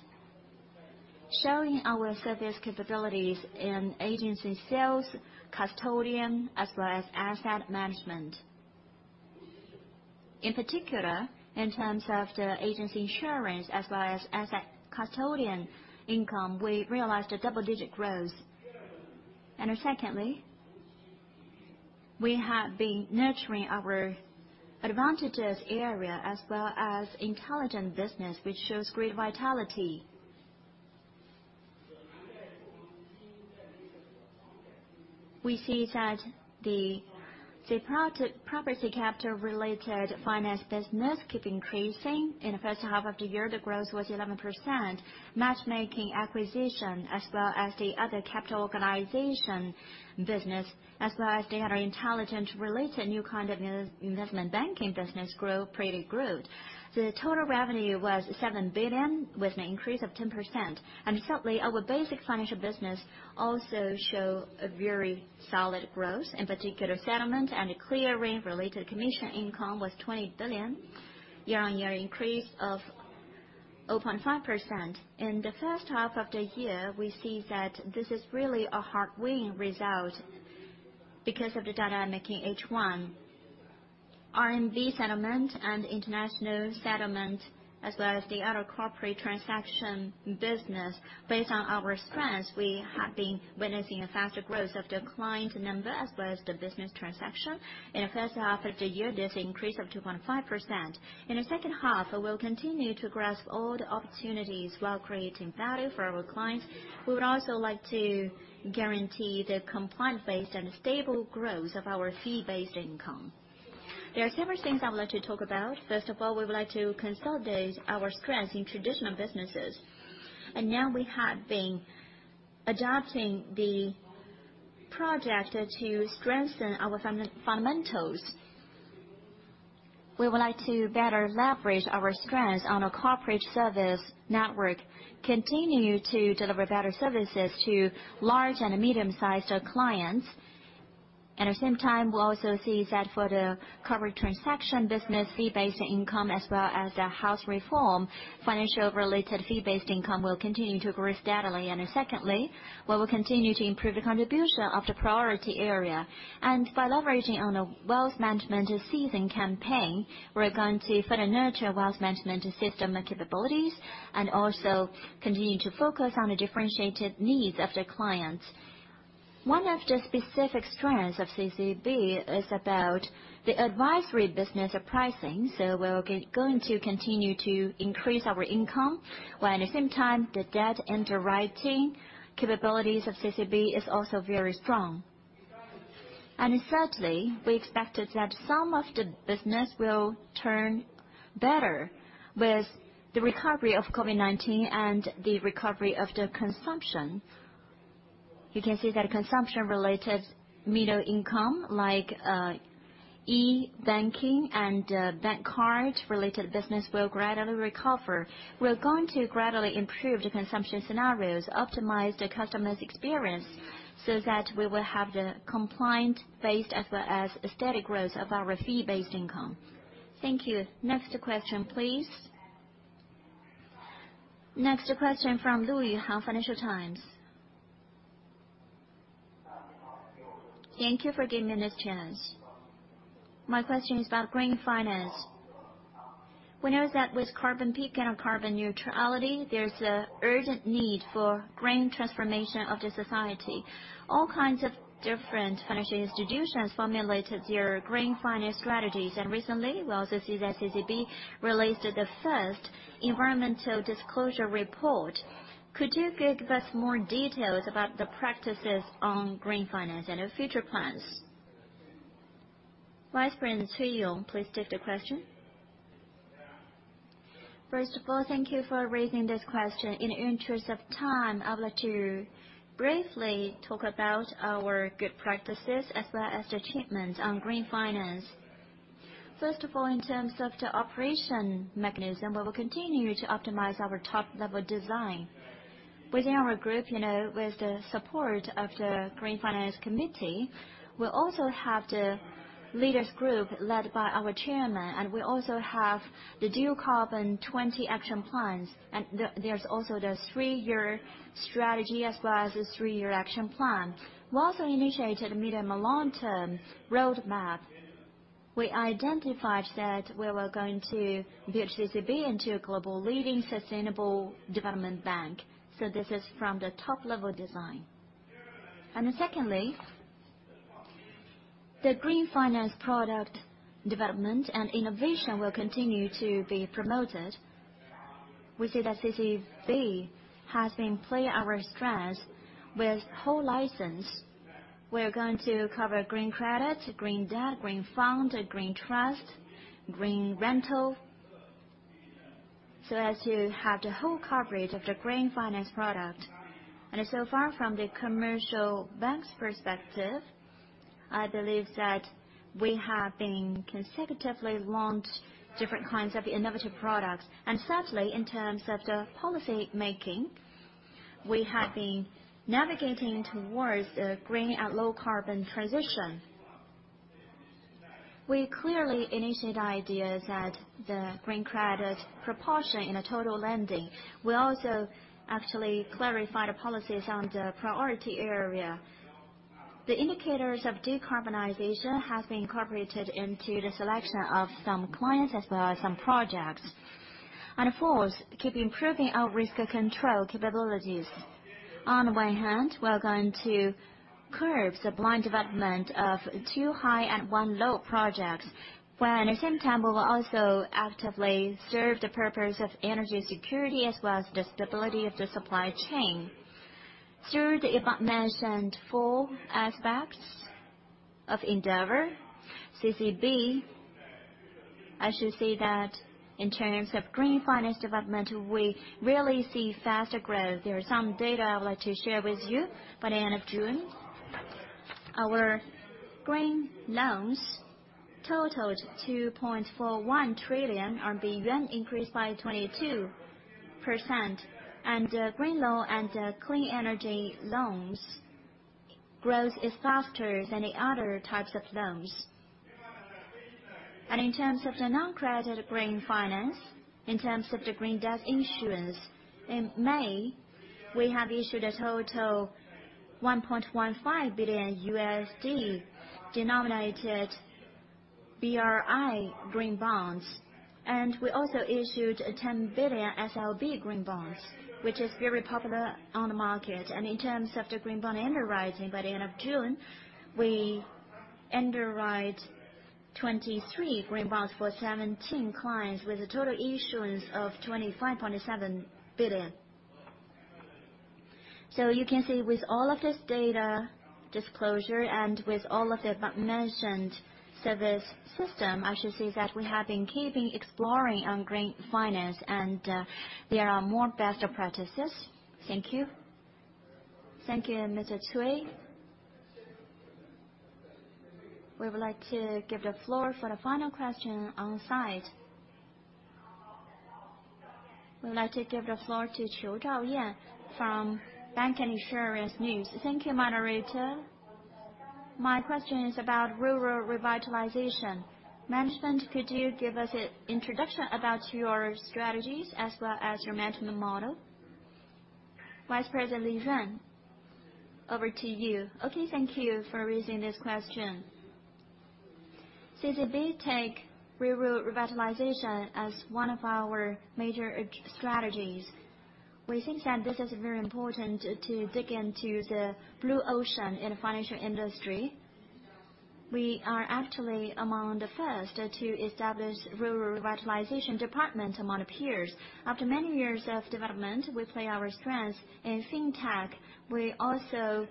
[SPEAKER 3] showing our service capabilities in agency sales, custodian, as well as asset management. In particular, in terms of the agency insurance as well as asset custodian income, we realized a double-digit growth. Secondly, we have been nurturing our advantageous area as well as intelligent business, which shows great vitality. We see that the property capital related finance business keep increasing. In the H1 of the year, the growth was 11%. Matchmaking acquisition, as well as the other capital organization business, as well as the other intelligent related new kind of investment banking business grow pretty good. The total revenue was 7 billion, with an increase of 10%. Certainly, our basic financial business also shows a very solid growth. In particular, settlement and clearing related commission income was 20 billion, year-on-year increase of 0.5%. In the H1 of the year, we see that this is really a hard-won result because of the data I'm mentioning, H1 RMB settlement and international settlement, as well as the other corporate transaction business. Based on our strengths, we have been witnessing a faster growth of the client number as well as the business transaction. In the H1 of the year, this increased up to 0.5%. In the H2, we will continue to grasp all the opportunities while creating value for our clients. We would also like to guarantee the compliant based and stable growth of our fee-based income. There are several things I would like to talk about. First of all, we would like to consolidate our strengths in traditional businesses. Now we have been adopting the project to strengthen our fundamentals. We would like to better leverage our strengths on a corporate service network, continue to deliver better services to large and medium-sized clients. At the same time, we'll also see that for the corporate transaction business, fee-based income as well as the house reform, financial related fee-based income will continue to grow steadily. Secondly, we will continue to improve the contribution of the priority area. By leveraging on a wealth management season campaign, we're going to further nurture wealth management system capabilities and also continue to focus on the differentiated needs of the clients. One of the specific strengths of CCB is about the advisory business pricing, so we're going to continue to increase our income. While at the same time, the debt underwriting capabilities of CCB is also very strong. Thirdly, we expected that some of the business will turn better with the recovery of COVID-19 and the recovery of the consumption. You can see that consumption related middle income like, e-banking and, bank card related business will gradually recover. We're going to gradually improve the consumption scenarios, optimize the customer's experience, so that we will have the compliant based as well as a steady growth of our fee-based income. Thank you.
[SPEAKER 2] Next question, please. Next question from Louis from Financial Times.
[SPEAKER 22] Thank you for giving me this chance. My question is about green finance. We know that with carbon peak and carbon neutrality, there's a urgent need for green transformation of the society. All kinds of different financial institutions formulated their green finance strategies. Recently, we also see that CCB released the first environmental disclosure report. Could you give us more details about the practices on green finance and your future plans?
[SPEAKER 2] Vice President Cui Yong, please take the question.
[SPEAKER 11] First of all, thank you for raising this question. In the interest of time, I would like to briefly talk about our good practices as well as the achievements on green finance. First of all, in terms of the operation mechanism, we will continue to optimize our top-level design. Within our group, you know, with the support of the Green Finance Committee, we also have the leaders group led by our chairman, and we also have the dual carbon 20 action plans. There's also the three-year strategy as well as the three-year action plan. We also initiated a medium and long-term roadmap. We identified that we were going to build CCB into a global leading sustainable development bank, so this is from the top-level design. Secondly, the green finance product development and innovation will continue to be promoted. We see that CCB has been playing our strengths with full license. We're going to cover green credit, green debt, green fund, green trust, green rental, so as to have the full coverage of the green finance product. So far from the commercial bank's perspective, I believe that we have consecutively launched different kinds of innovative products. Certainly, in terms of the policy making, we have been navigating towards a green and low carbon transition. We clearly initiate ideas that the green credit proportion in the total lending. We also actually clarified the policies on the priority area. The indicators of decarbonization have been incorporated into the selection of some clients as well as some projects. Fourth, keep improving our risk control capabilities. On the one hand, we're going to curb the blind development of two highs and one surplus projects, while at the same time, we will also actively serve the purpose of energy security as well as the stability of the supply chain. Through the above-mentioned four aspects of endeavour, CCB, I should say that in terms of green finance development, we really see faster growth. There are some data I would like to share with you. By the end of June, our green loans totalled 2.41 trillion yuan, increased by 22%. Green loans and clean energy loans growth is faster than the other types of loans. In terms of the non-credit green finance, in terms of the green debt issuance, in May, we have issued a total $1.15 billion USD-denominated BRI green bonds. We also issued 10 billion SLB green bonds, which is very popular on the market. In terms of the green bond underwriting, by the end of June, we underwrite 23 green bonds for 17 clients, with a total issuance of 25.7 billion. You can see with all of this data disclosure, and with all of the above-mentioned service system, I should say that we have been keeping exploring on green finance and there are more best practices. Thank you.
[SPEAKER 2] Thank you, Mr. Cui. We would like to give the floor for the final question on site. We would like to give the floor to Qiu Zhaoyan from China Banking and Insurance News.
[SPEAKER 23] Thank you, moderator. My question is about rural revitalization. Management, could you give us an introduction about your strategies as well as your management model?
[SPEAKER 2] Vice President Li Yun, over to you.
[SPEAKER 9] Okay, thank you for raising this question. CCB take rural revitalization as one of our major strategies. We think that this is very important to dig into the blue ocean in financial industry. We are actually among the first to establish rural revitalization department among the peers. After many years of development, we play our strengths in fintech. We also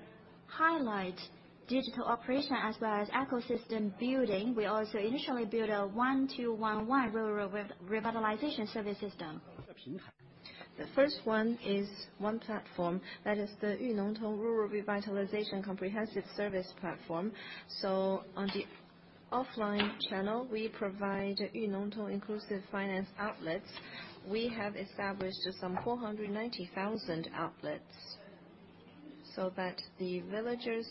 [SPEAKER 9] highlight digital operation as well as ecosystem building. We also initially build a 1211 rural revitalization service system. The first one is one platform, that is the Yúnóngtōng Rural Revitalization Comprehensive Service Platform. So on the offline channel, we provide Yúnóngtōng inclusive finance outlets. We have established some 490,000 outlets, so that the villagers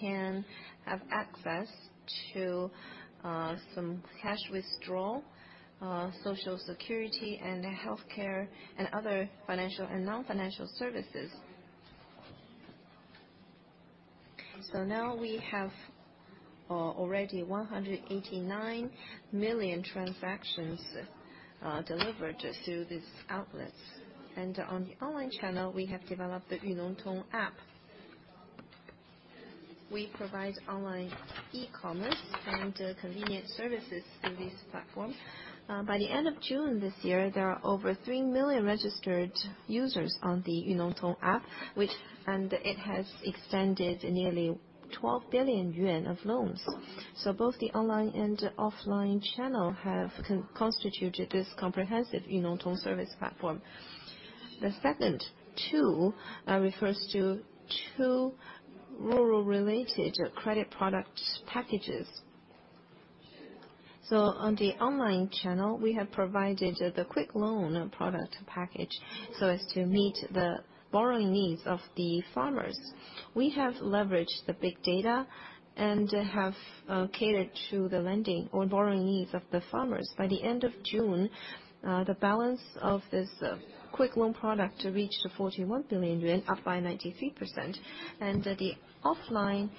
[SPEAKER 9] can have access to some cash withdrawal, social security and healthcare, and other financial and non-financial services. Now we have already 189 million transactions delivered through these outlets. On the online channel, we have developed the Yunongtong app. We provide online e-commerce and convenient services through this platform. By the end of June this year, there are over 3 million registered users on the Yunongtong app, which has extended nearly 12 billion yuan of loans. Both the online and offline channel have constituted this comprehensive Yunongtong service platform. The second tool refers to two rural related credit product packages. On the online channel, we have provided the Quick Loan product package so as to meet the borrowing needs of the farmers. We have leveraged big data and have catered to the lending or borrowing needs of the farmers. By the end of June, the balance of this quick loan product reached 41 billion yuan, up by 93%. The offline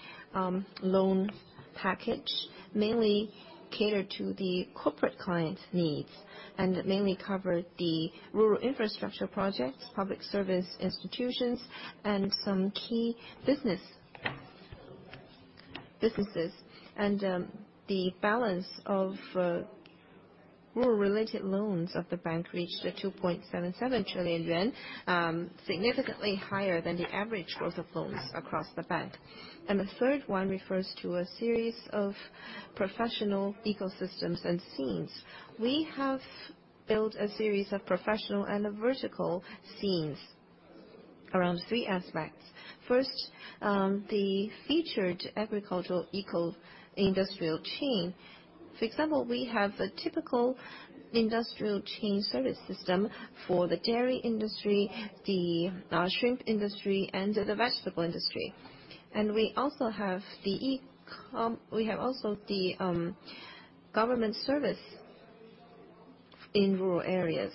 [SPEAKER 9] loan package mainly catered to the corporate clients' needs. Mainly cover the rural infrastructure projects, public service institutions, and some key businesses. The balance of rural related loans of the bank reached 2.77 trillion yuan, significantly higher than the average worth of loans across the bank. The third one refers to a series of professional ecosystems and scenes. We have built a series of professional and vertical scenes around three aspects. First, the featured agricultural eco-industrial chain. For example, we have a typical industrial chain service system for the dairy industry, the shrimp industry, and the vegetable industry. We also have the government service in rural areas.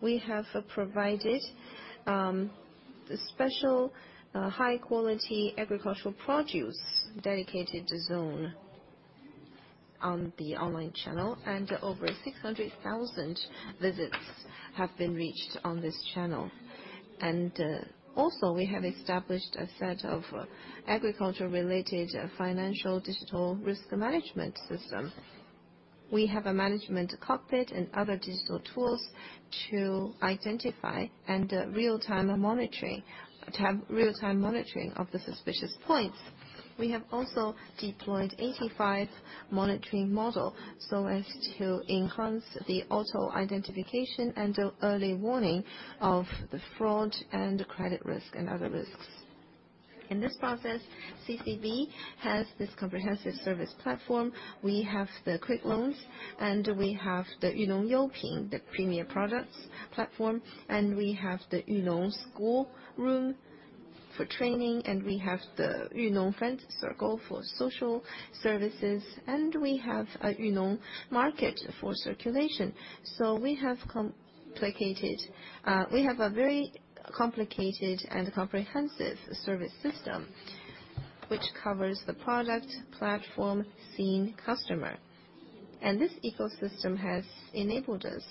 [SPEAKER 9] We have provided the special high-quality agricultural produce dedicated zone on the online channel, and over 600,000 visits have been reached on this channel. We have established a set of agriculture-related financial digital risk management system. We have a management cockpit and other digital tools to identify and real-time monitoring of the suspicious points. We have also deployed 85 monitoring model so as to enhance the auto identification and the early warning of the fraud and credit risk and other risks. In this process, CCB has this comprehensive service platform. We have the Quick Loans and we have the Yunong Youpin, the premier products platform. We have the Yúnóng School-room for training, and we have the Yúnóng Friend Circle for social services, and we have a Yúnóng Market for circulation. We have a very complicated and comprehensive service system which covers the product, platform, scene, customer. This ecosystem has enabled us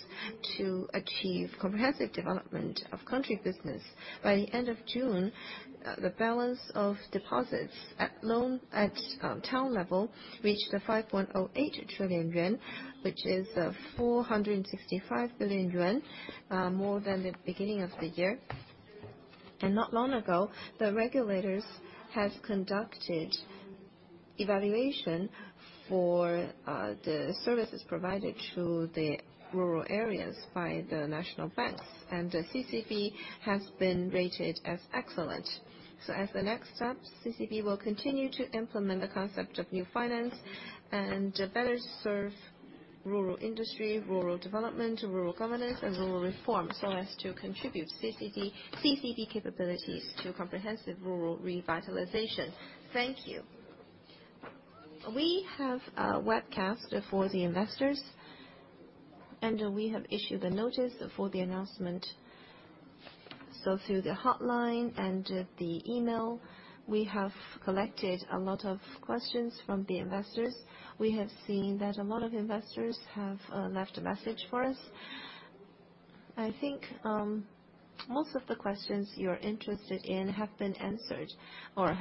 [SPEAKER 9] to achieve comprehensive development of country business. By the end of June, the balance of deposits and loans at town level reached 5.08 trillion yuan, which is 465 billion yuan more than the beginning of the year. Not long ago, the regulators have conducted evaluation for the services provided to the rural areas by the national banks. CCB has been rated as excellent. As the next step, CCB will continue to implement the concept of new finance and better serve rural industry, rural development, rural governance, and rural reform, so as to contribute CCB capabilities to comprehensive rural revitalization. Thank you.
[SPEAKER 2] We have a webcast for the investors, and we have issued a notice for the announcement. Through the hotline and the email, we have collected a lot of questions from the investors. We have seen that a lot of investors have left a message for us. I think most of the questions you're interested in have been answered or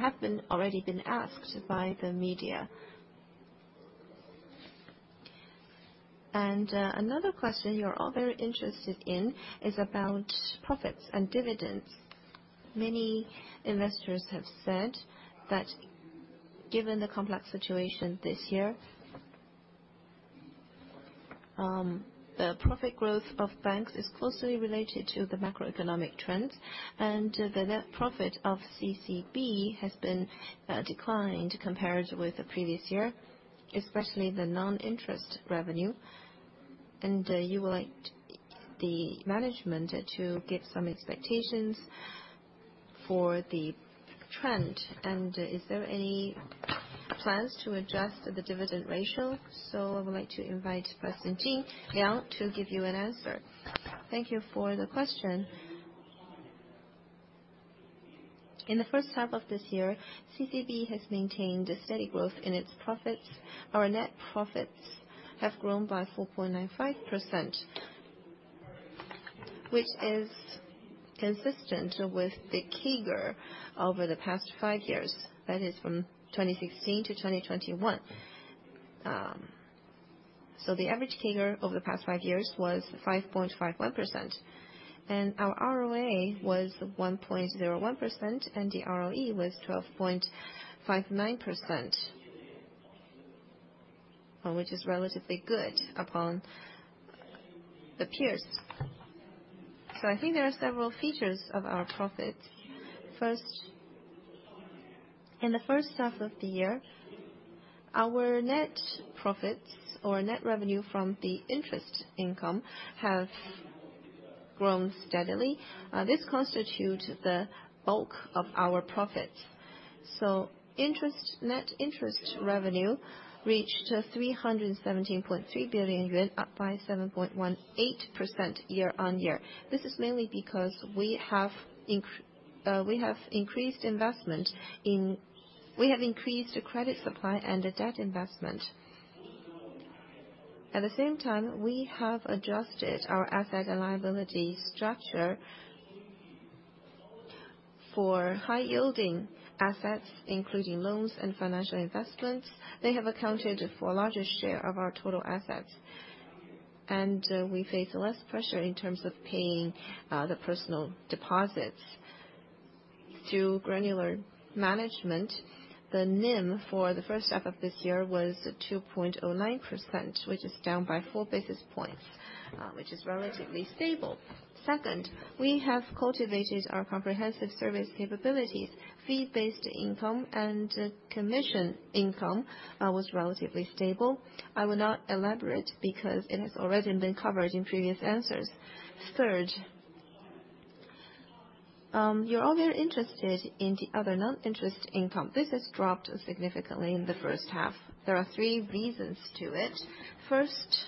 [SPEAKER 2] already been asked by the media. Another question you're all very interested in is about profits and dividends. Many investors have said that given the complex situation this year, the profit growth of banks is closely related to the macroeconomic trends. The net profit of CCB has been declined compared with the previous year, especially the non-interest revenue. You would like the management to give some expectations for the trend. Is there any plans to adjust the dividend ratio? I would like to invite President Zhang Jinliang to give you an answer.
[SPEAKER 3] Thank you for the question. In the H1 of this year, CCB has maintained a steady growth in its profits. Our net profits have grown by 4.95%, which is consistent with the CAGR over the past five years. That is from 2016 to 2021. The average CAGR over the past five years was 5.51%, and our ROA was 1.01%, and the ROE was 12.59%, which is relatively good among the peers. I think there are several features of our profit. First, in the H1 of the year, our net profits or net revenue from the interest income have grown steadily. This constitute the bulk of our profit. Interest, net interest revenue reached 317.3 billion yuan, up by 7.18% year-on-year. This is mainly because we have increased the credit supply and the debt investment. At the same time, we have adjusted our asset and liability structure for high-yielding assets, including loans and financial investments. They have accounted for a larger share of our total assets, and we face less pressure in terms of paying the personal deposits. Through granular management, the NIM for the H1 of this year was 2.09%, which is down by four basis points, which is relatively stable. Second, we have cultivated our comprehensive service capabilities. Fee-based income and commission income was relatively stable. I will not elaborate because it has already been covered in previous answers. Third, you're all very interested in the other non-interest income. This has dropped significantly in the H1. There are three reasons to it. First,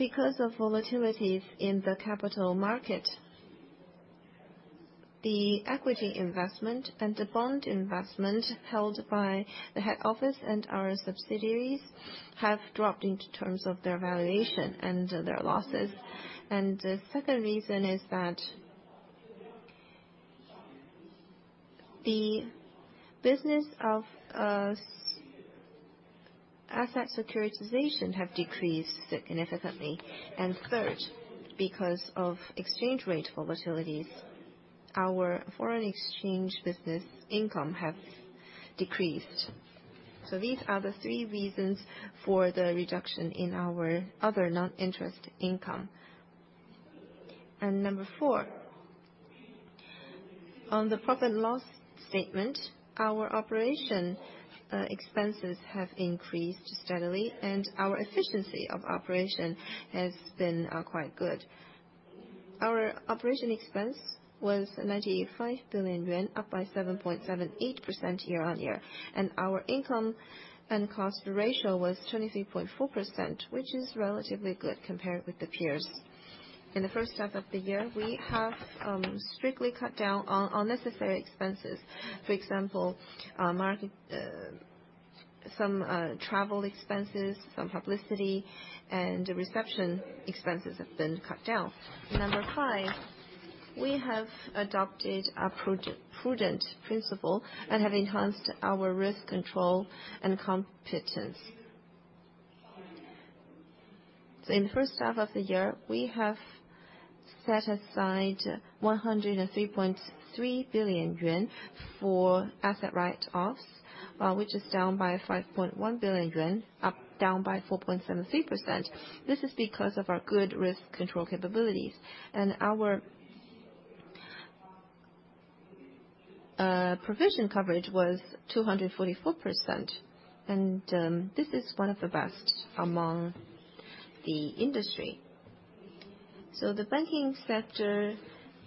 [SPEAKER 3] because of volatilities in the capital market, the equity investment and the bond investment held by the head office and our subsidiaries have dropped in terms of their valuation and their losses. The second reason is that the business of asset securitization have decreased significantly. Third, because of exchange rate volatilities, our foreign exchange business income have decreased. These are the three reasons for the reduction in our other non-interest income. Number four, on the profit and loss statement, our operation expenses have increased steadily, and our efficiency of operation has been quite good. Our operation expense was 95 billion yuan, up by 7.78% year-on-year. Our income and cost ratio was 23.4%, which is relatively good compared with the peers. In the H1 of the year, we have strictly cut down on unnecessary expenses. For example, some travel expenses, some publicity, and reception expenses have been cut down. Number five, we have adopted a prudent principle and have enhanced our risk control and competence. In the H1 of the year, we have set aside 103.3 billion yuan for asset write-offs, which is down by 5.1 billion yuan, down by 4.73%. This is because of our good risk control capabilities. Our provision coverage was 244%, and this is one of the best among the industry. The banking sector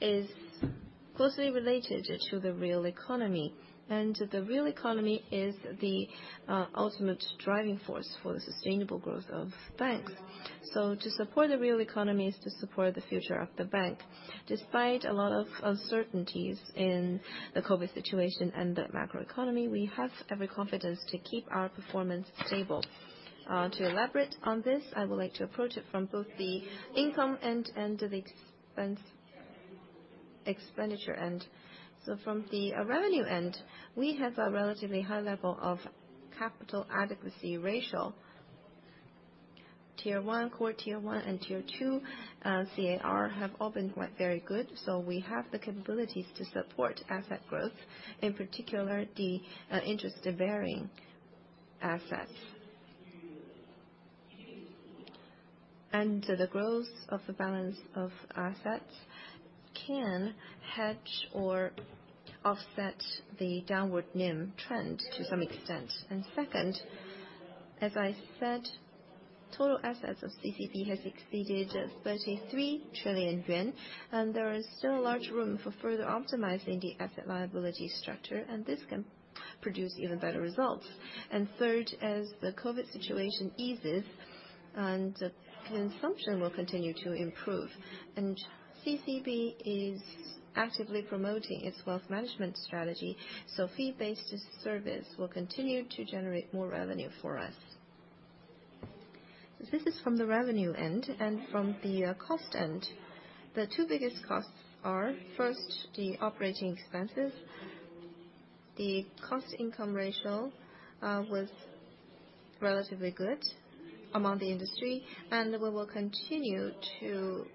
[SPEAKER 3] is closely related to the real economy, and the real economy is the ultimate driving force for the sustainable growth of banks. To support the real economy is to support the future of the bank. Despite a lot of uncertainties in the COVID situation and the macroeconomy, we have every confidence to keep our performance stable. To elaborate on this, I would like to approach it from both the income and expenditure end. From the revenue end, we have a relatively high level of capital adequacy ratio. Tier one, core tier one, and tier two CAR have all been very good, so we have the capabilities to support asset growth, in particular the interest-bearing assets. The growth of the balance of assets can hedge or offset the downward NIM trend to some extent. Second, as I said, total assets of CCB has exceeded 33 trillion yuan, and there is still large room for further optimizing the asset liability structure, and this can produce even better results. Third, as the COVID situation eases and consumption will continue to improve, and CCB is actively promoting its wealth management strategy, so fee-based service will continue to generate more revenue for us. This is from the revenue end, and from the cost end, the two biggest costs are, first, the operating expenses. The cost income ratio was relatively good among the industry, and we will continue to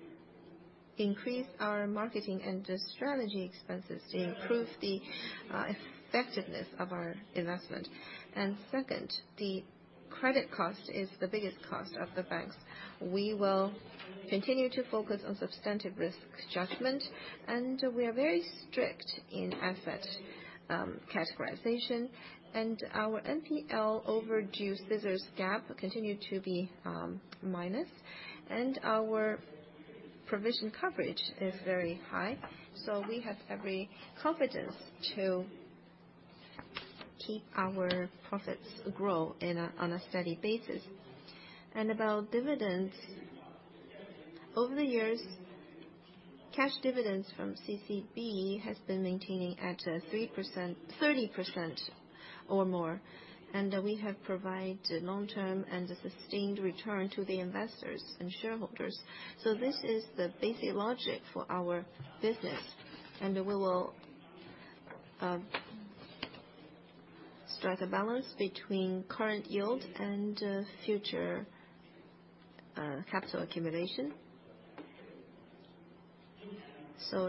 [SPEAKER 3] increase our marketing and strategy expenses to improve the effectiveness of our investment. Second, the credit cost is the biggest cost of the banks. We will continue to focus on substantive risk judgment, and we are very strict in asset categorization. Our NPL overdue scissors gap continue to be minus. Our provision coverage is very high, so we have every confidence to keep our profits grow on a steady basis. About dividends, over the years, cash dividends from CCB has been maintaining at thirty percent or more, and we have provided long-term and a sustained return to the investors and shareholders. This is the basic logic for our business, and we will strike a balance between current yield and future capital accumulation.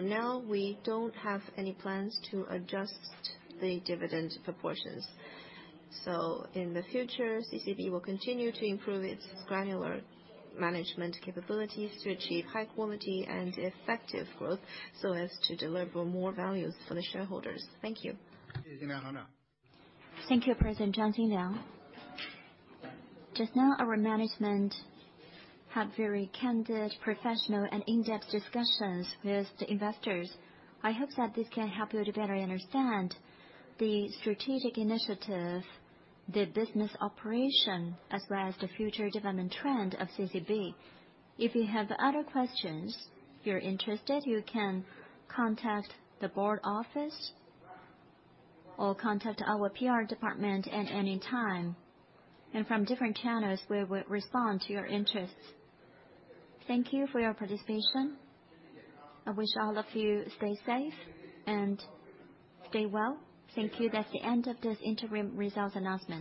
[SPEAKER 3] Now we don't have any plans to adjust the dividend proportions. In the future, CCB will continue to improve its granular management capabilities to achieve high quality and effective growth so as to deliver more values for the shareholders. Thank you.
[SPEAKER 2] Thank you, President Zhang Jinliang. Just now, our management had very candid, professional, and in-depth discussions with the investors. I hope that this can help you to better understand the strategic initiative, the business operation, as well as the future development trend of CCB. If you have other questions you're interested, you can contact the board office or contact our PR department at any time. From different channels, we will respond to your interests. Thank you for your participation. I wish all of you stay safe and stay well. Thank you. That's the end of this interim results announcement.